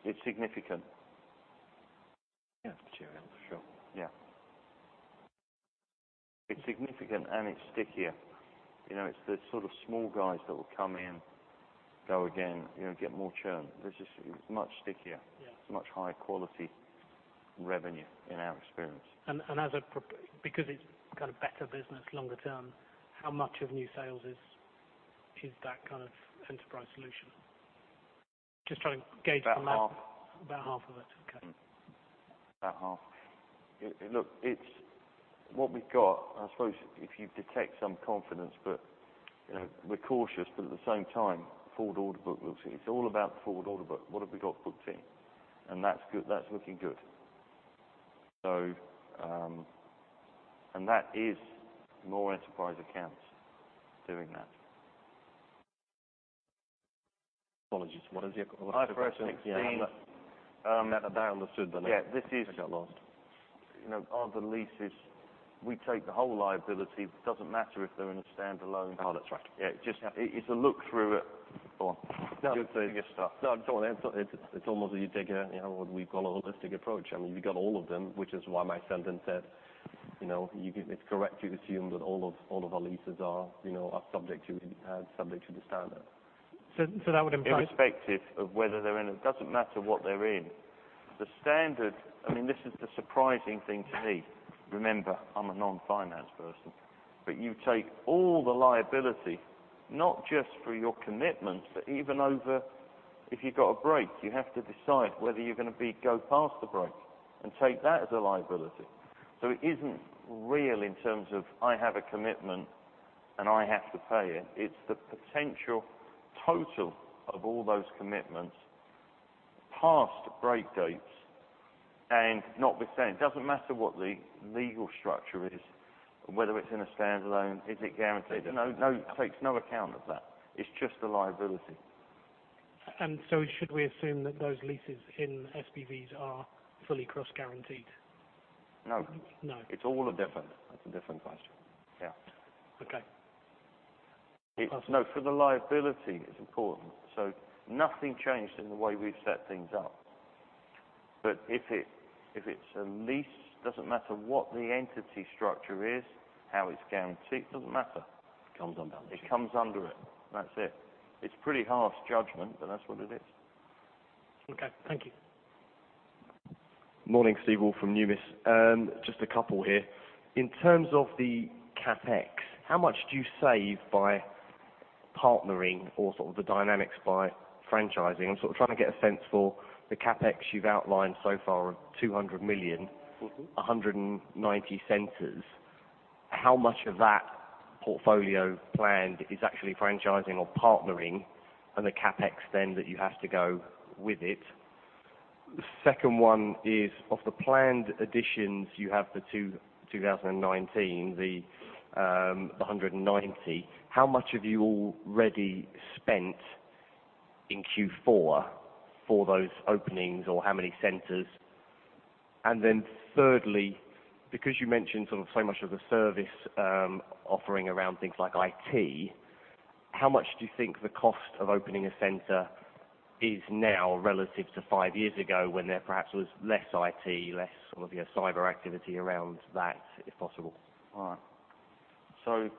It's significant. Yeah, for sure. Yeah. It's significant and it's stickier. It's the sort of small guys that will come in, go again, get more churn. This is much stickier. Yeah. It's much higher quality revenue in our experience. As a because it's kind of better business longer term, how much of new sales is that kind of enterprise solution? Just trying to gauge on that. About half. About half of it? Okay. About half. What we've got, I suppose if you detect some confidence, but we're cautious, but at the same time, it's all about the forward order book. What have we got booked in? That's good. That's looking good. That is more enterprise accounts doing that. Apologies. What is it? IFRS 16. Yeah. I understood. Yeah. This. I got lost. of the leases. We take the whole liability. It doesn't matter if they're in a standalone. Oh, that's right. Yeah. It's a look through it. Go on. You're the biggest star. No, go on. It's almost that we've got a holistic approach. I mean, we've got all of them, which is why my sentence said, it's correct you assume that all of our leases are subject to the standard. That would imply. Irrespective of whether they're in it. Doesn't matter what they're in. The standard, I mean, this is the surprising thing to me. Remember, I'm a non-finance person, but you take all the liability, not just for your commitments, but even over, if you've got a break, you have to decide whether you're going to be go past the break and take that as a liability. It isn't real in terms of, I have a commitment and I have to pay it. It's the potential total of all those commitments past break dates and notwithstanding. Doesn't matter what the legal structure is, whether it's in a standalone. Is it guaranteed? It takes no account of that. It's just the liability. Should we assume that those leases in SPVs are fully cross-guaranteed? No. No. It's all a different question. Yeah. Okay. No, for the liability, it's important. Nothing changed in the way we've set things up. If it's a lease, doesn't matter what the entity structure is, how it's guaranteed, it doesn't matter. It comes under it. It comes under it. That's it. It's pretty harsh judgment, that's what it is. Okay. Thank you. Morning, Steve. All from Numis. Just a couple here. In terms of the CapEx, how much do you save by partnering or sort of the dynamics by franchising? I'm sort of trying to get a sense for the CapEx you've outlined so far of 200 million. A hundred and ninety centers. How much of that portfolio planned is actually franchising or partnering and the CapEx then that you have to go with it? Second one is, of the planned additions you have for 2019, the 190, how much have you already spent in Q4 for those openings, or how many centers? Thirdly, because you mentioned sort of so much of the service offering around things like IT, how much do you think the cost of opening a center is now relative to five years ago when there perhaps was less IT, less sort of your cyber activity around that, if possible? All right.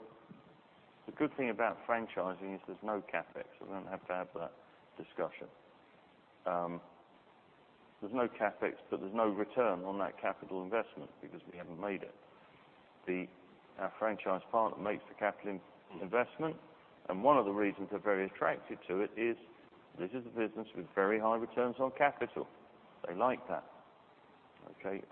The good thing about franchising is there's no CapEx. We don't have to have that discussion. There's no CapEx, there's no return on that capital investment because we haven't made it. Our franchise partner makes the capital investment, one of the reasons they're very attracted to it is this is a business with very high returns on capital. They like that. Okay?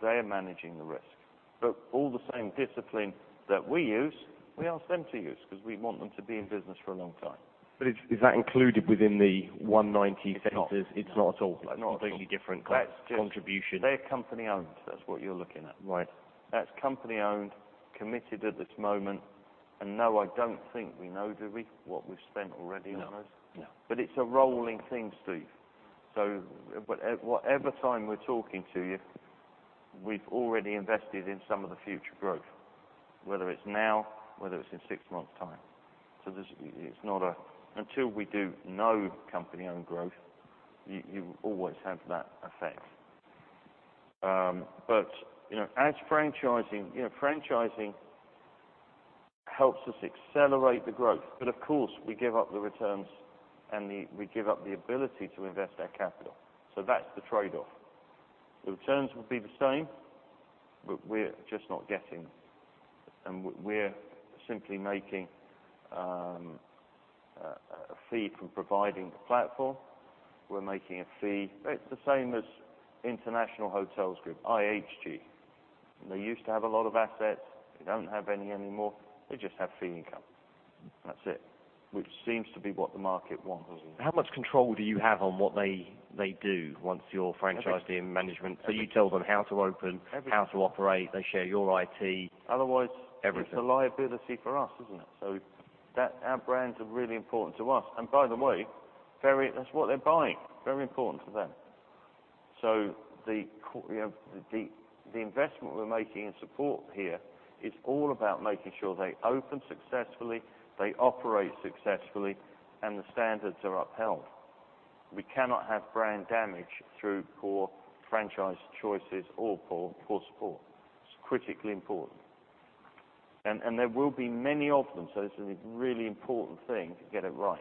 They are managing the risk. All the same discipline that we use, we ask them to use because we want them to be in business for a long time. Is that included within the 190 centers? It's not. It's not at all. Not at all. It's a completely different contribution. They're company-owned. That's what you're looking at. Right. No, I don't think we know, do we, what we've spent already on those? No. It's a rolling thing, Steve. Whatever time we're talking to you, we've already invested in some of the future growth, whether it's now, whether it's in six months' time. Until we do no company-owned growth, you always have that effect. As franchising helps us accelerate the growth. Of course, we give up the returns and we give up the ability to invest that capital. That's the trade-off. The returns will be the same, we're just not getting, and we're simply making a fee from providing the platform. We're making a fee. It's the same as InterContinental Hotels Group, IHG. They used to have a lot of assets. They don't have any anymore. They just have fee income. That's it. Which seems to be what the market wants. How much control do you have on what they do once you're franchising management? Everything. You tell them how to open- Everything How to operate, they share your IT. Otherwise- Everything It's a liability for us, isn't it? Our brands are really important to us. By the way, that's what they're buying, very important to them. The investment we're making in support here is all about making sure they open successfully, they operate successfully, and the standards are upheld. We cannot have brand damage through poor franchise choices or poor support. It's critically important. There will be many of them, so it's a really important thing to get it right.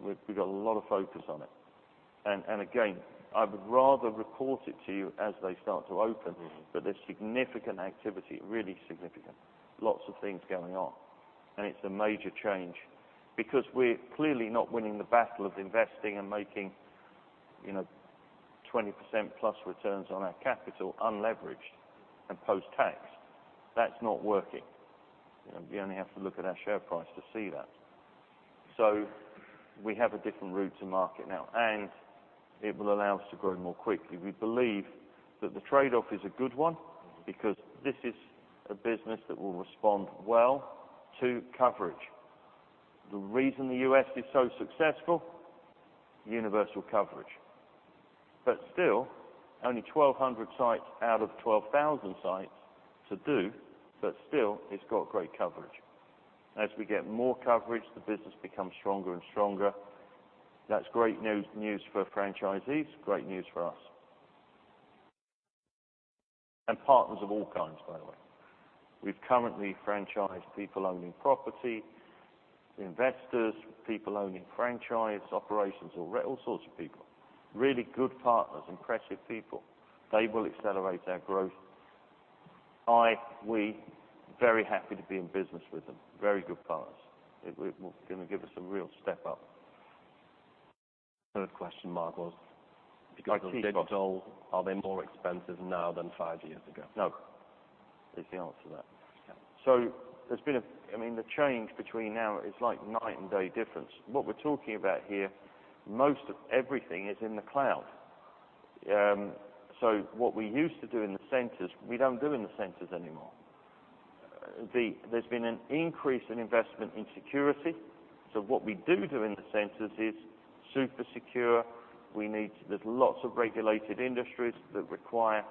We've got a lot of focus on it. Again, I would rather report it to you as they start to open. There's significant activity, really significant. Lots of things going on. It's a major change, because we're clearly not winning the battle of investing and making 20% plus returns on our capital, unleveraged and post-tax. That's not working. You only have to look at our share price to see that. We have a different route to market now, and it will allow us to grow more quickly. We believe that the trade-off is a good one because this is a business that will respond well to coverage. The reason the U.S. is so successful, universal coverage. Still, only 1,200 sites out of 12,000 sites to do, but still, it's got great coverage. As we get more coverage, the business becomes stronger and stronger. That's great news for franchisees, great news for us, and partners of all kinds, by the way. We've currently franchised people owning property, investors, people owning franchise operations, all sorts of people. Really good partners, impressive people. They will accelerate our growth. We're very happy to be in business with them. Very good partners. It's going to give us a real step up. Third question, Mark, was. Like a tea tot. Are they more expensive now than five years ago? No, is the answer to that. Yeah. The change between now is like night and day difference. What we're talking about here, most of everything is in the cloud. What we used to do in the centers, we don't do in the centers anymore. There's been an increase in investment in security. What we do in the centers is super secure. There's lots of regulated industries that require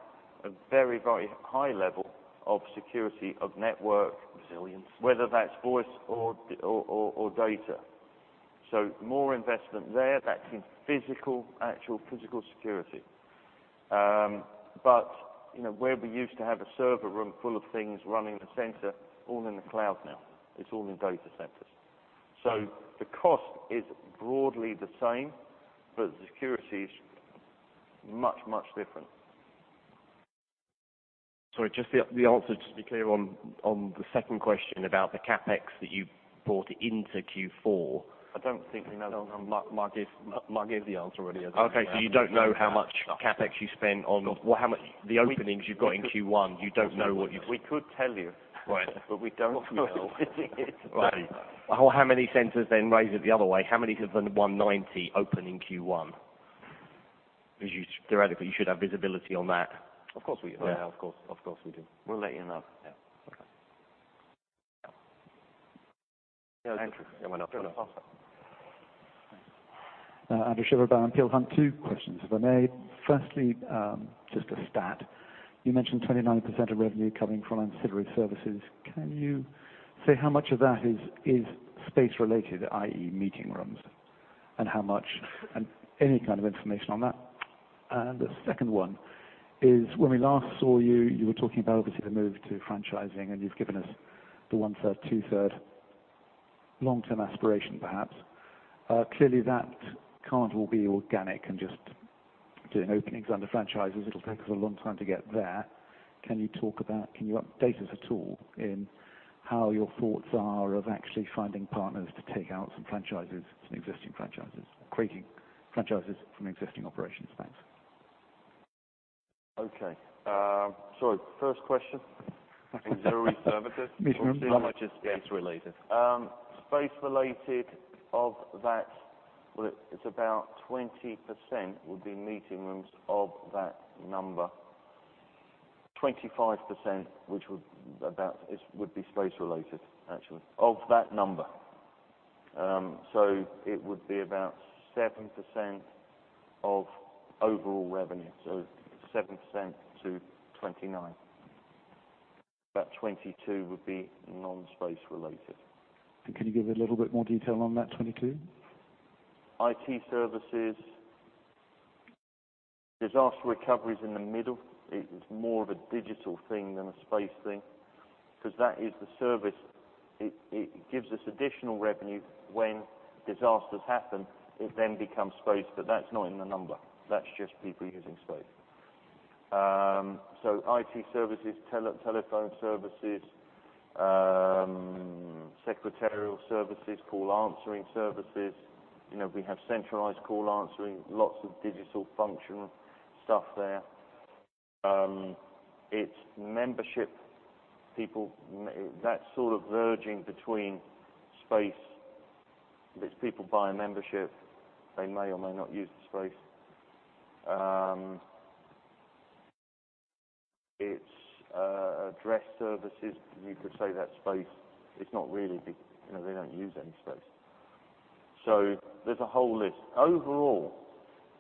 a very, very high level of security of network- Resilience whether that's voice or data. More investment there. That's in physical, actual physical security. Where we used to have a server room full of things running the center, all in the cloud now. It's all in data centers. The cost is broadly the same, but the security is much, much different. Sorry, just the answer to be clear on the second question about the CapEx that you brought into Q4. I don't think we know. Mark gave the answer already. Okay. You don't know how much CapEx you spent on, or how much the openings you've got in Q1. We could tell you. Right. We don't know. How many centers then, Raise it the other way. How many of the 190 open in Q1? Theoretically, you should have visibility on that. Of course we do. Yeah. Of course. Of course we do. We'll let you know. Yeah. Okay. Andrew. It went up. Andrew Sheridan by Peel Hunt. two questions if I may. Firstly, just a stat. You mentioned 29% of revenue coming from ancillary services. Can you say how much of that is space related, i.e., meeting rooms, and how much, and any kind of information on that? The second one is, when we last saw you were talking about obviously the move to franchising, and you've given us the one-third, two-third long-term aspiration, perhaps. Clearly, that can't all be organic and just doing openings under franchises. It'll take us a long time to get there. Can you talk about, can you update us at all in how your thoughts are of actually finding partners to take out some franchises from existing franchises? Creating franchises from existing operations. Thanks. Okay. Sorry, first question. Ancillary services. Meeting rooms. How much is space related? Space related of that, well, it's about 20% would be meeting rooms of that number. 25%, which would be space related, actually, of that number. It would be about 7% of overall revenue. 7% to 29%. About 22% would be non-space related. Can you give a little bit more detail on that 22%? IT services. Disaster recovery is in the middle. It is more of a digital thing than a space thing, because that is the service. It gives us additional revenue when disasters happen. It then becomes space, but that's not in the number. That's just people using space. IT services, telephone services, secretarial services, call answering services. We have centralized call answering, lots of digital function stuff there. It's membership people. That's sort of verging between space, because people buy a membership. They may or may not use the space. It's address services. You could say that's space. It's not really, because they don't use any space. There's a whole list. Overall,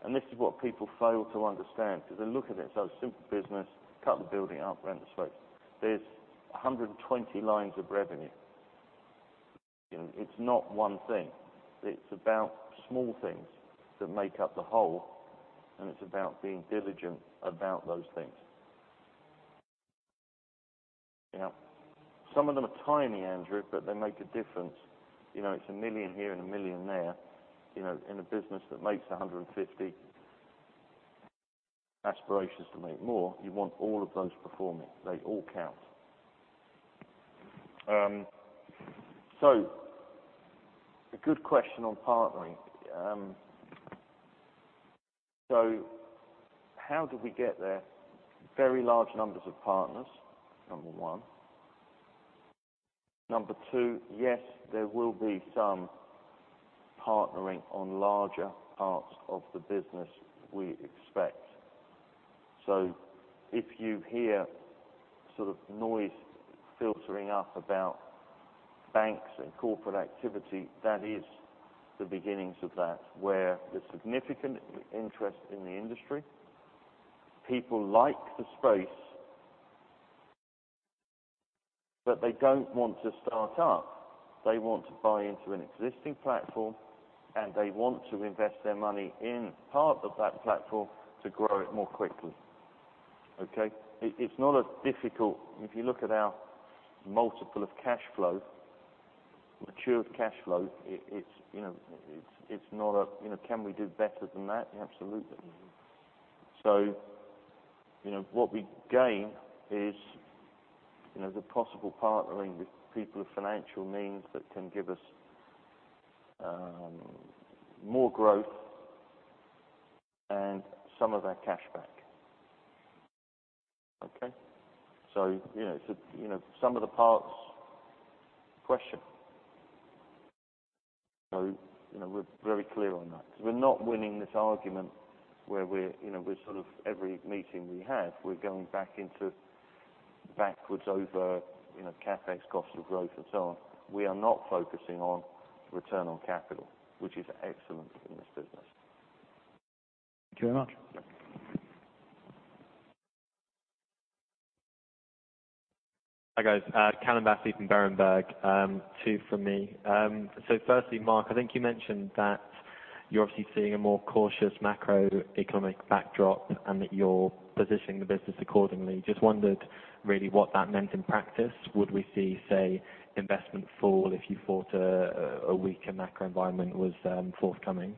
and this is what people fail to understand, because they look at it and say, "Oh, simple business. Cut the building up, rent the space." There's 120 lines of revenue. It's not one thing. It's about small things that make up the whole, and it's about being diligent about those things. Some of them are tiny, Andrew, but they make a difference. It's 1 million here and 1 million there, in a business that makes 150 million, aspirational to make more. You want all of those performing. They all count. A good question on partnering. How do we get there? Very large numbers of partners, number 1. Number 2, yes, there will be some partnering on larger parts of the business, we expect. If you hear sort of noise filtering up about banks and corporate activity, that is the beginnings of that, where there is significant interest in the industry. People like the space, but they do not want to start up. They want to buy into an existing platform, and they want to invest their money in part of that platform to grow it more quickly. Okay? It's not as difficult. If you look at our multiple of cash flow, matured cash flow, can we do better than that? Absolutely. What we gain is the possible partnering with people of financial means that can give us more growth and some of our cash back. Okay? Some of the parts, question. We're very clear on that, because we're not winning this argument where every meeting we have, we're going back into backwards over CapEx, cost of growth, and so on. We are not focusing on return on capital, which is excellent in this business. Thank you very much. Hi, guys. Calum Battersby from Berenberg. Two from me. Firstly, Mark, I think you mentioned that you're obviously seeing a more cautious macroeconomic backdrop and that you're positioning the business accordingly. Just wondered really what that meant in practice. Would we see, say, investment fall if you thought a weaker macro environment was forthcoming?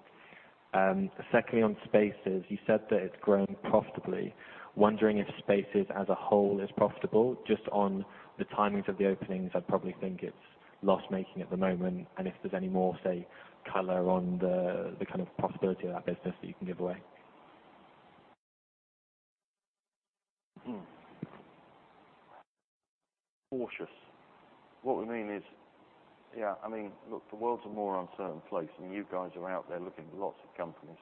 Secondly, on Spaces, you said that it's grown profitably. Wondering if Spaces as a whole is profitable. Just on the timings of the openings, I'd probably think it's loss-making at the moment. If there's any more, say, color on the kind of profitability of that business that you can give away. Cautious. What we mean is, look, the world's a more uncertain place, and you guys are out there looking at lots of companies.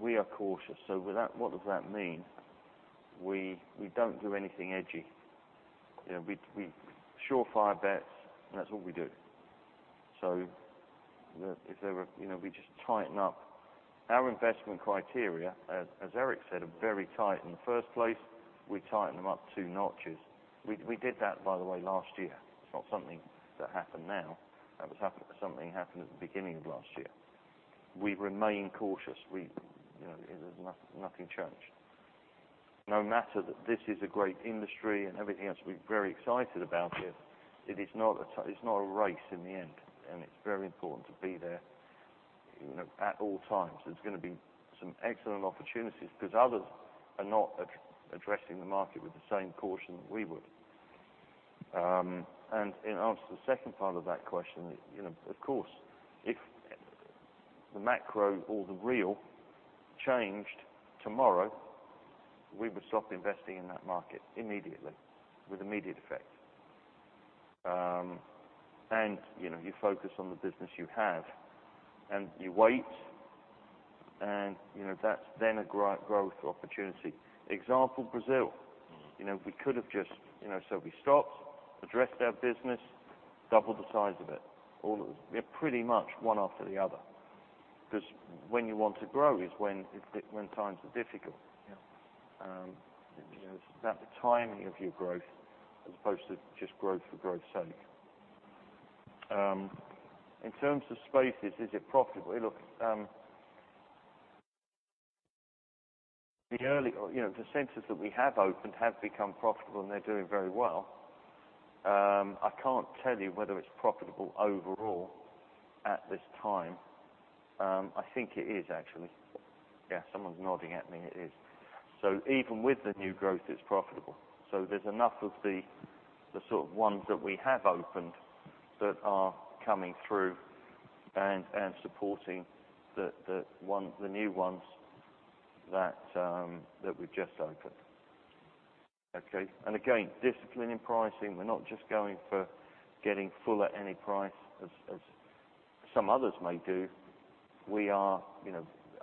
We are cautious. What does that mean? We don't do anything edgy. Sure fire bets, and that's what we do. We just tighten up. Our investment criteria, as Eric said, are very tight in the first place. We tighten them up two notches. We did that, by the way, last year. It's not something that happened now. That was something that happened at the beginning of last year. We remain cautious. Nothing changed. No matter that this is a great industry and everything else, we're very excited about it. It's not a race in the end, and it's very important to be there at all times. There's going to be some excellent opportunities because others are not addressing the market with the same caution that we would. In answer to the second part of that question, of course, if the macro or the real changed tomorrow, we would stop investing in that market immediately with immediate effect. You focus on the business you have, and you wait, and that's then a growth opportunity. Example, Brazil. We stopped, addressed our business, doubled the size of it. Pretty much one after the other. Because when you want to grow is when times are difficult. Yeah. It's about the timing of your growth as opposed to just growth for growth's sake. In terms of Spaces, is it profitable? Look, the centers that we have opened have become profitable, and they're doing very well. I can't tell you whether it's profitable overall at this time. I think it is, actually. Yeah, someone's nodding at me. It is. Even with the new growth, it's profitable. There's enough of the sort of ones that we have opened that are coming through and supporting the new ones that we've just opened. Okay. Again, discipline in pricing. We're not just going for getting full at any price as some others may do. We are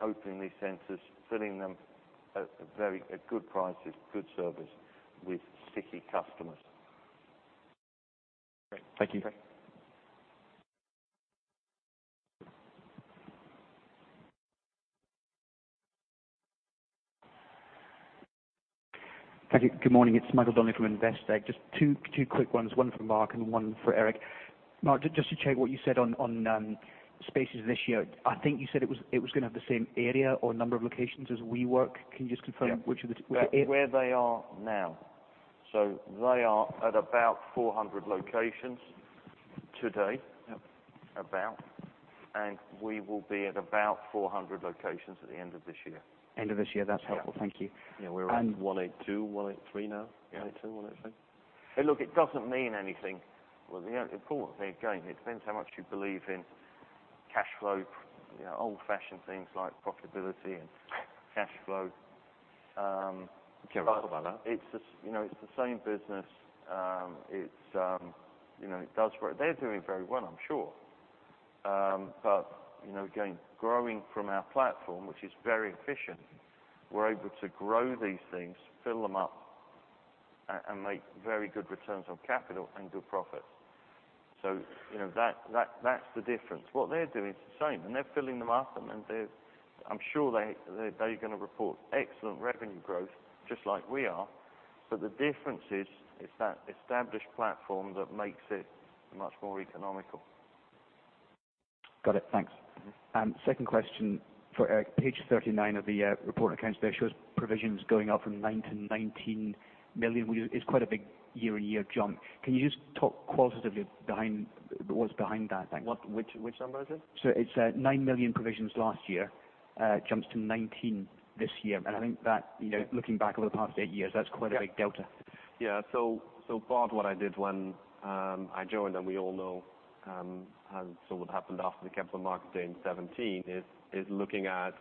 opening these centers, filling them at good prices, good service with sticky customers. Great. Thank you. Okay. Thank you. Good morning. It's Michael Donnelly from Investec. Just two quick ones, one for Mark and one for Eric. Mark, just to check what you said on Spaces this year. I think you said it was going to have the same area or number of locations as WeWork. Can you just confirm which of the- Yeah. Where they are now. They are at about 400 locations today. Yep. About. We will be at about 400 locations at the end of this year. End of this year. That's helpful. Thank you. Yeah. We're around 182, 183 now. 182, 183. Look, it doesn't mean anything. Well, importantly, again, it depends how much you believe in cash flow, old-fashioned things like profitability and cash flow. Can't argue with that. It's the same business. It does work. They're doing very well, I'm sure. Again, growing from our platform, which is very efficient, we're able to grow these things, fill them up, and make very good returns on capital and good profits. That's the difference. What they're doing is the same, and they're filling them up, and I'm sure they're going to report excellent revenue growth, just like we are. The difference is, it's that established platform that makes it much more economical. Got it. Thanks. Second question for Eric. Page 39 of the report and accounts there shows provisions going up from nine million to 19 million, which is quite a big year-on-year jump. Can you just talk qualitatively what's behind that? Thanks. Which number is it? It said 9 million provisions last year, jumps to 19 this year. Yeah looking back over the past eight years, that's quite a big delta. Yeah. Part of what I did when I joined, and we all know, what happened after the capital market day in 2017 is looking at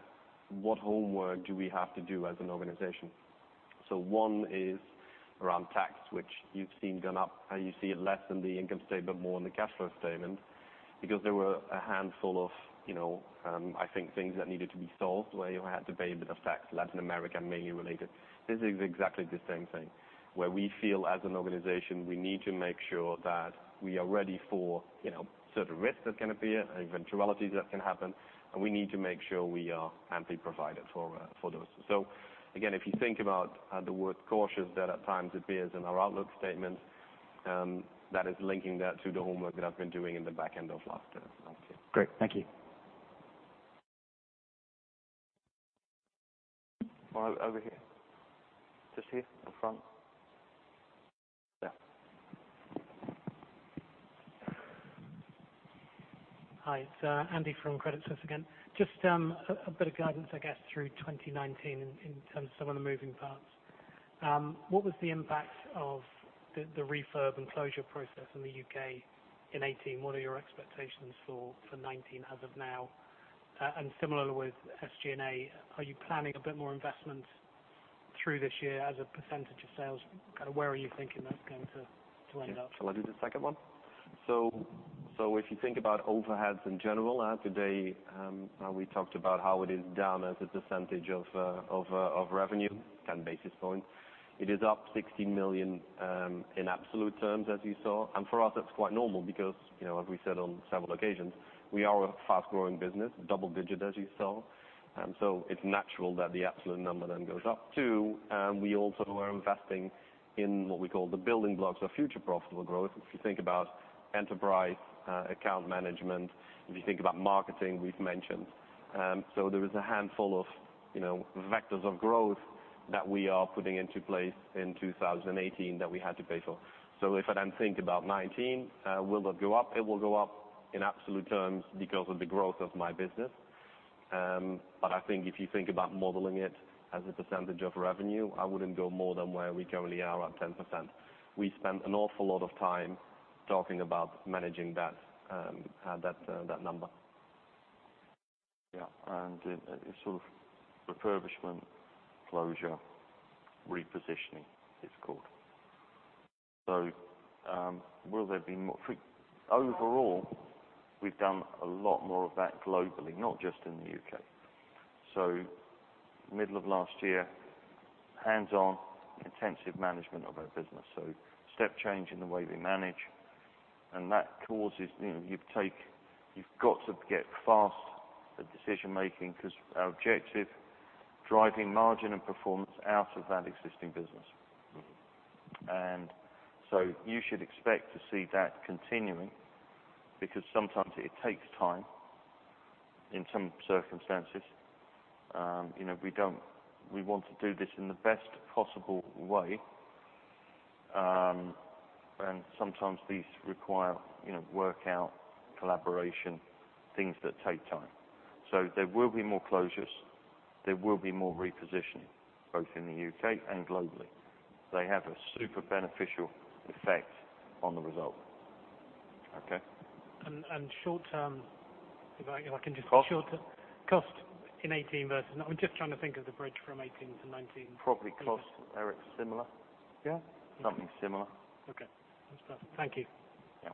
what homework do we have to do as an organization. One is around tax, which you've seen gone up, and you see it less in the income statement, more in the cash flow statement, because there were a handful of I think things that needed to be solved where you had to pay a bit of tax, Latin America mainly related. This is exactly the same thing where we feel as an organization, we need to make sure that we are ready for certain risks that can appear and eventualities that can happen, and we need to make sure we are amply provided for those. Again, if you think about the word cautious that at times appears in our outlook statement, that is linking that to the homework that I've been doing in the back end of last year. Great. Thank you. Over here. Just here at the front. Yeah. Hi, it's Andy from Credit Suisse again. Just a bit of guidance, I guess, through 2019 in terms of some of the moving parts. What was the impact of the refurb and closure process in the U.K. in 2018? What are your expectations for 2019 as of now? Similarly with SG&A, are you planning a bit more investment through this year as a percentage of sales? Kind of where are you thinking that's going to end up? Shall I do the second one? If you think about overheads in general, today we talked about how it is down as a percentage of revenue, 10 basis points. It is up 16 million in absolute terms as you saw. For us, that's quite normal because, as we said on several occasions, we are a fast-growing business, double-digit, as you saw. It's natural that the absolute number then goes up too. We also are investing in what we call the building blocks of future profitable growth. If you think about enterprise account management, if you think about marketing, we've mentioned. There is a handful of vectors of growth that we are putting into place in 2018 that we had to pay for. If I then think about 2019, will it go up? It will go up in absolute terms because of the growth of my business. I think if you think about modeling it as a percentage of revenue, I wouldn't go more than where we currently are at 10%. We spent an awful lot of time talking about managing that number. It sort of refurbishment, closure, repositioning, it's called. Will there be more? Overall, we've done a lot more of that globally, not just in the U.K. Middle of last year, hands-on intensive management of our business. Step change in the way we manage. That causes you've got to get fast at decision making because our objective, driving margin and performance out of that existing business. You should expect to see that continuing because sometimes it takes time in some circumstances. We want to do this in the best possible way, and sometimes these require workout, collaboration, things that take time. There will be more closures, there will be more repositioning, both in the U.K. and globally. They have a super beneficial effect on the result. Okay. Short term, if I can just- Cost? Cost in 2018 versus I'm just trying to think of the bridge from 2018 to 2019. Probably cost, Eric, similar. Yeah. Something similar. Okay. That's clear. Thank you. Yeah.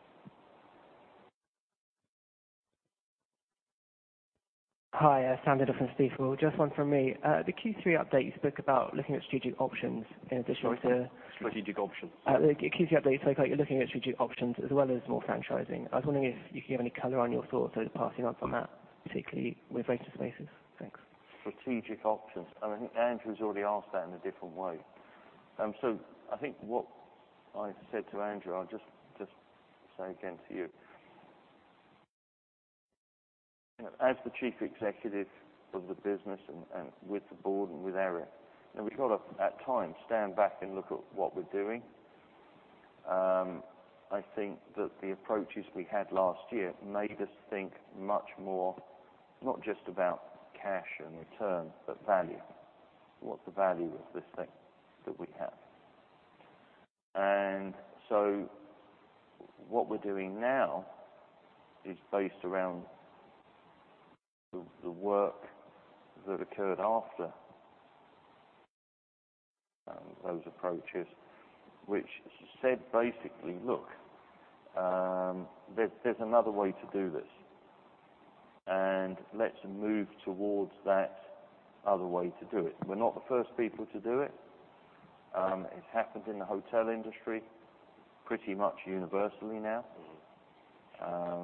Hi, Sam Clifford from City AM. Just one from me. The Q3 update, you spoke about looking at strategic options in addition to- Sorry, strategic options. The Q3 update, you spoke about you're looking at strategic options as well as more franchising. I was wondering if you could give any color on your thoughts that are passing on from that, particularly with without the prices. Thanks. Strategic options. I think Andrew's already asked that in a different way. I think what I said to Andrew, I'll just say again to you. As the chief executive of the business and with the board and with Eric, we've got to, at times, stand back and look at what we're doing. I think that the approaches we had last year made us think much more, not just about cash and return, but value. What's the value of this thing that we have? What we're doing now is based around the work that occurred after those approaches, which said, basically, look, there's another way to do this, and let's move towards that other way to do it. We're not the first people to do it. It's happened in the hotel industry pretty much universally now. I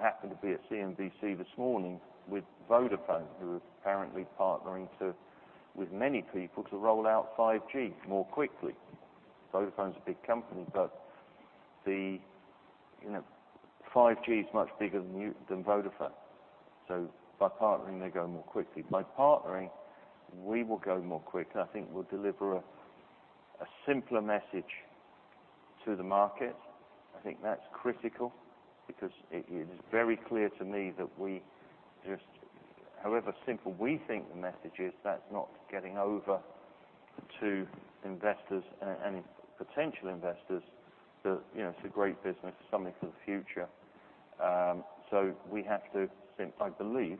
happened to be at CNBC this morning with Vodafone, who are apparently partnering with many people to roll out 5G more quickly. Vodafone's a big company, but 5G is much bigger than Vodafone. By partnering, they go more quickly. By partnering, we'll go more quickly. I think we'll deliver a simpler message to the market. I think that's critical because it is very clear to me that we just, however simple we think the message is, that's not getting over to investors and potential investors that it's a great business, something for the future. We have to, I believe,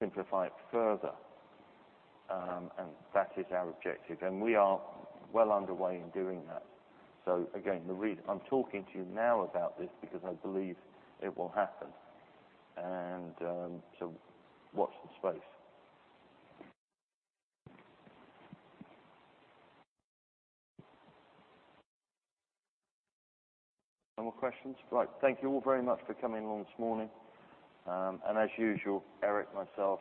simplify it further. That is our objective, and we are well underway in doing that. Again, the reason I'm talking to you now about this because I believe it will happen. Watch this space. No more questions? Right. Thank you all very much for coming along this morning. As usual, Eric, myself,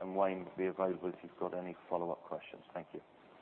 and Wayne will be available if you've got any follow-up questions. Thank you.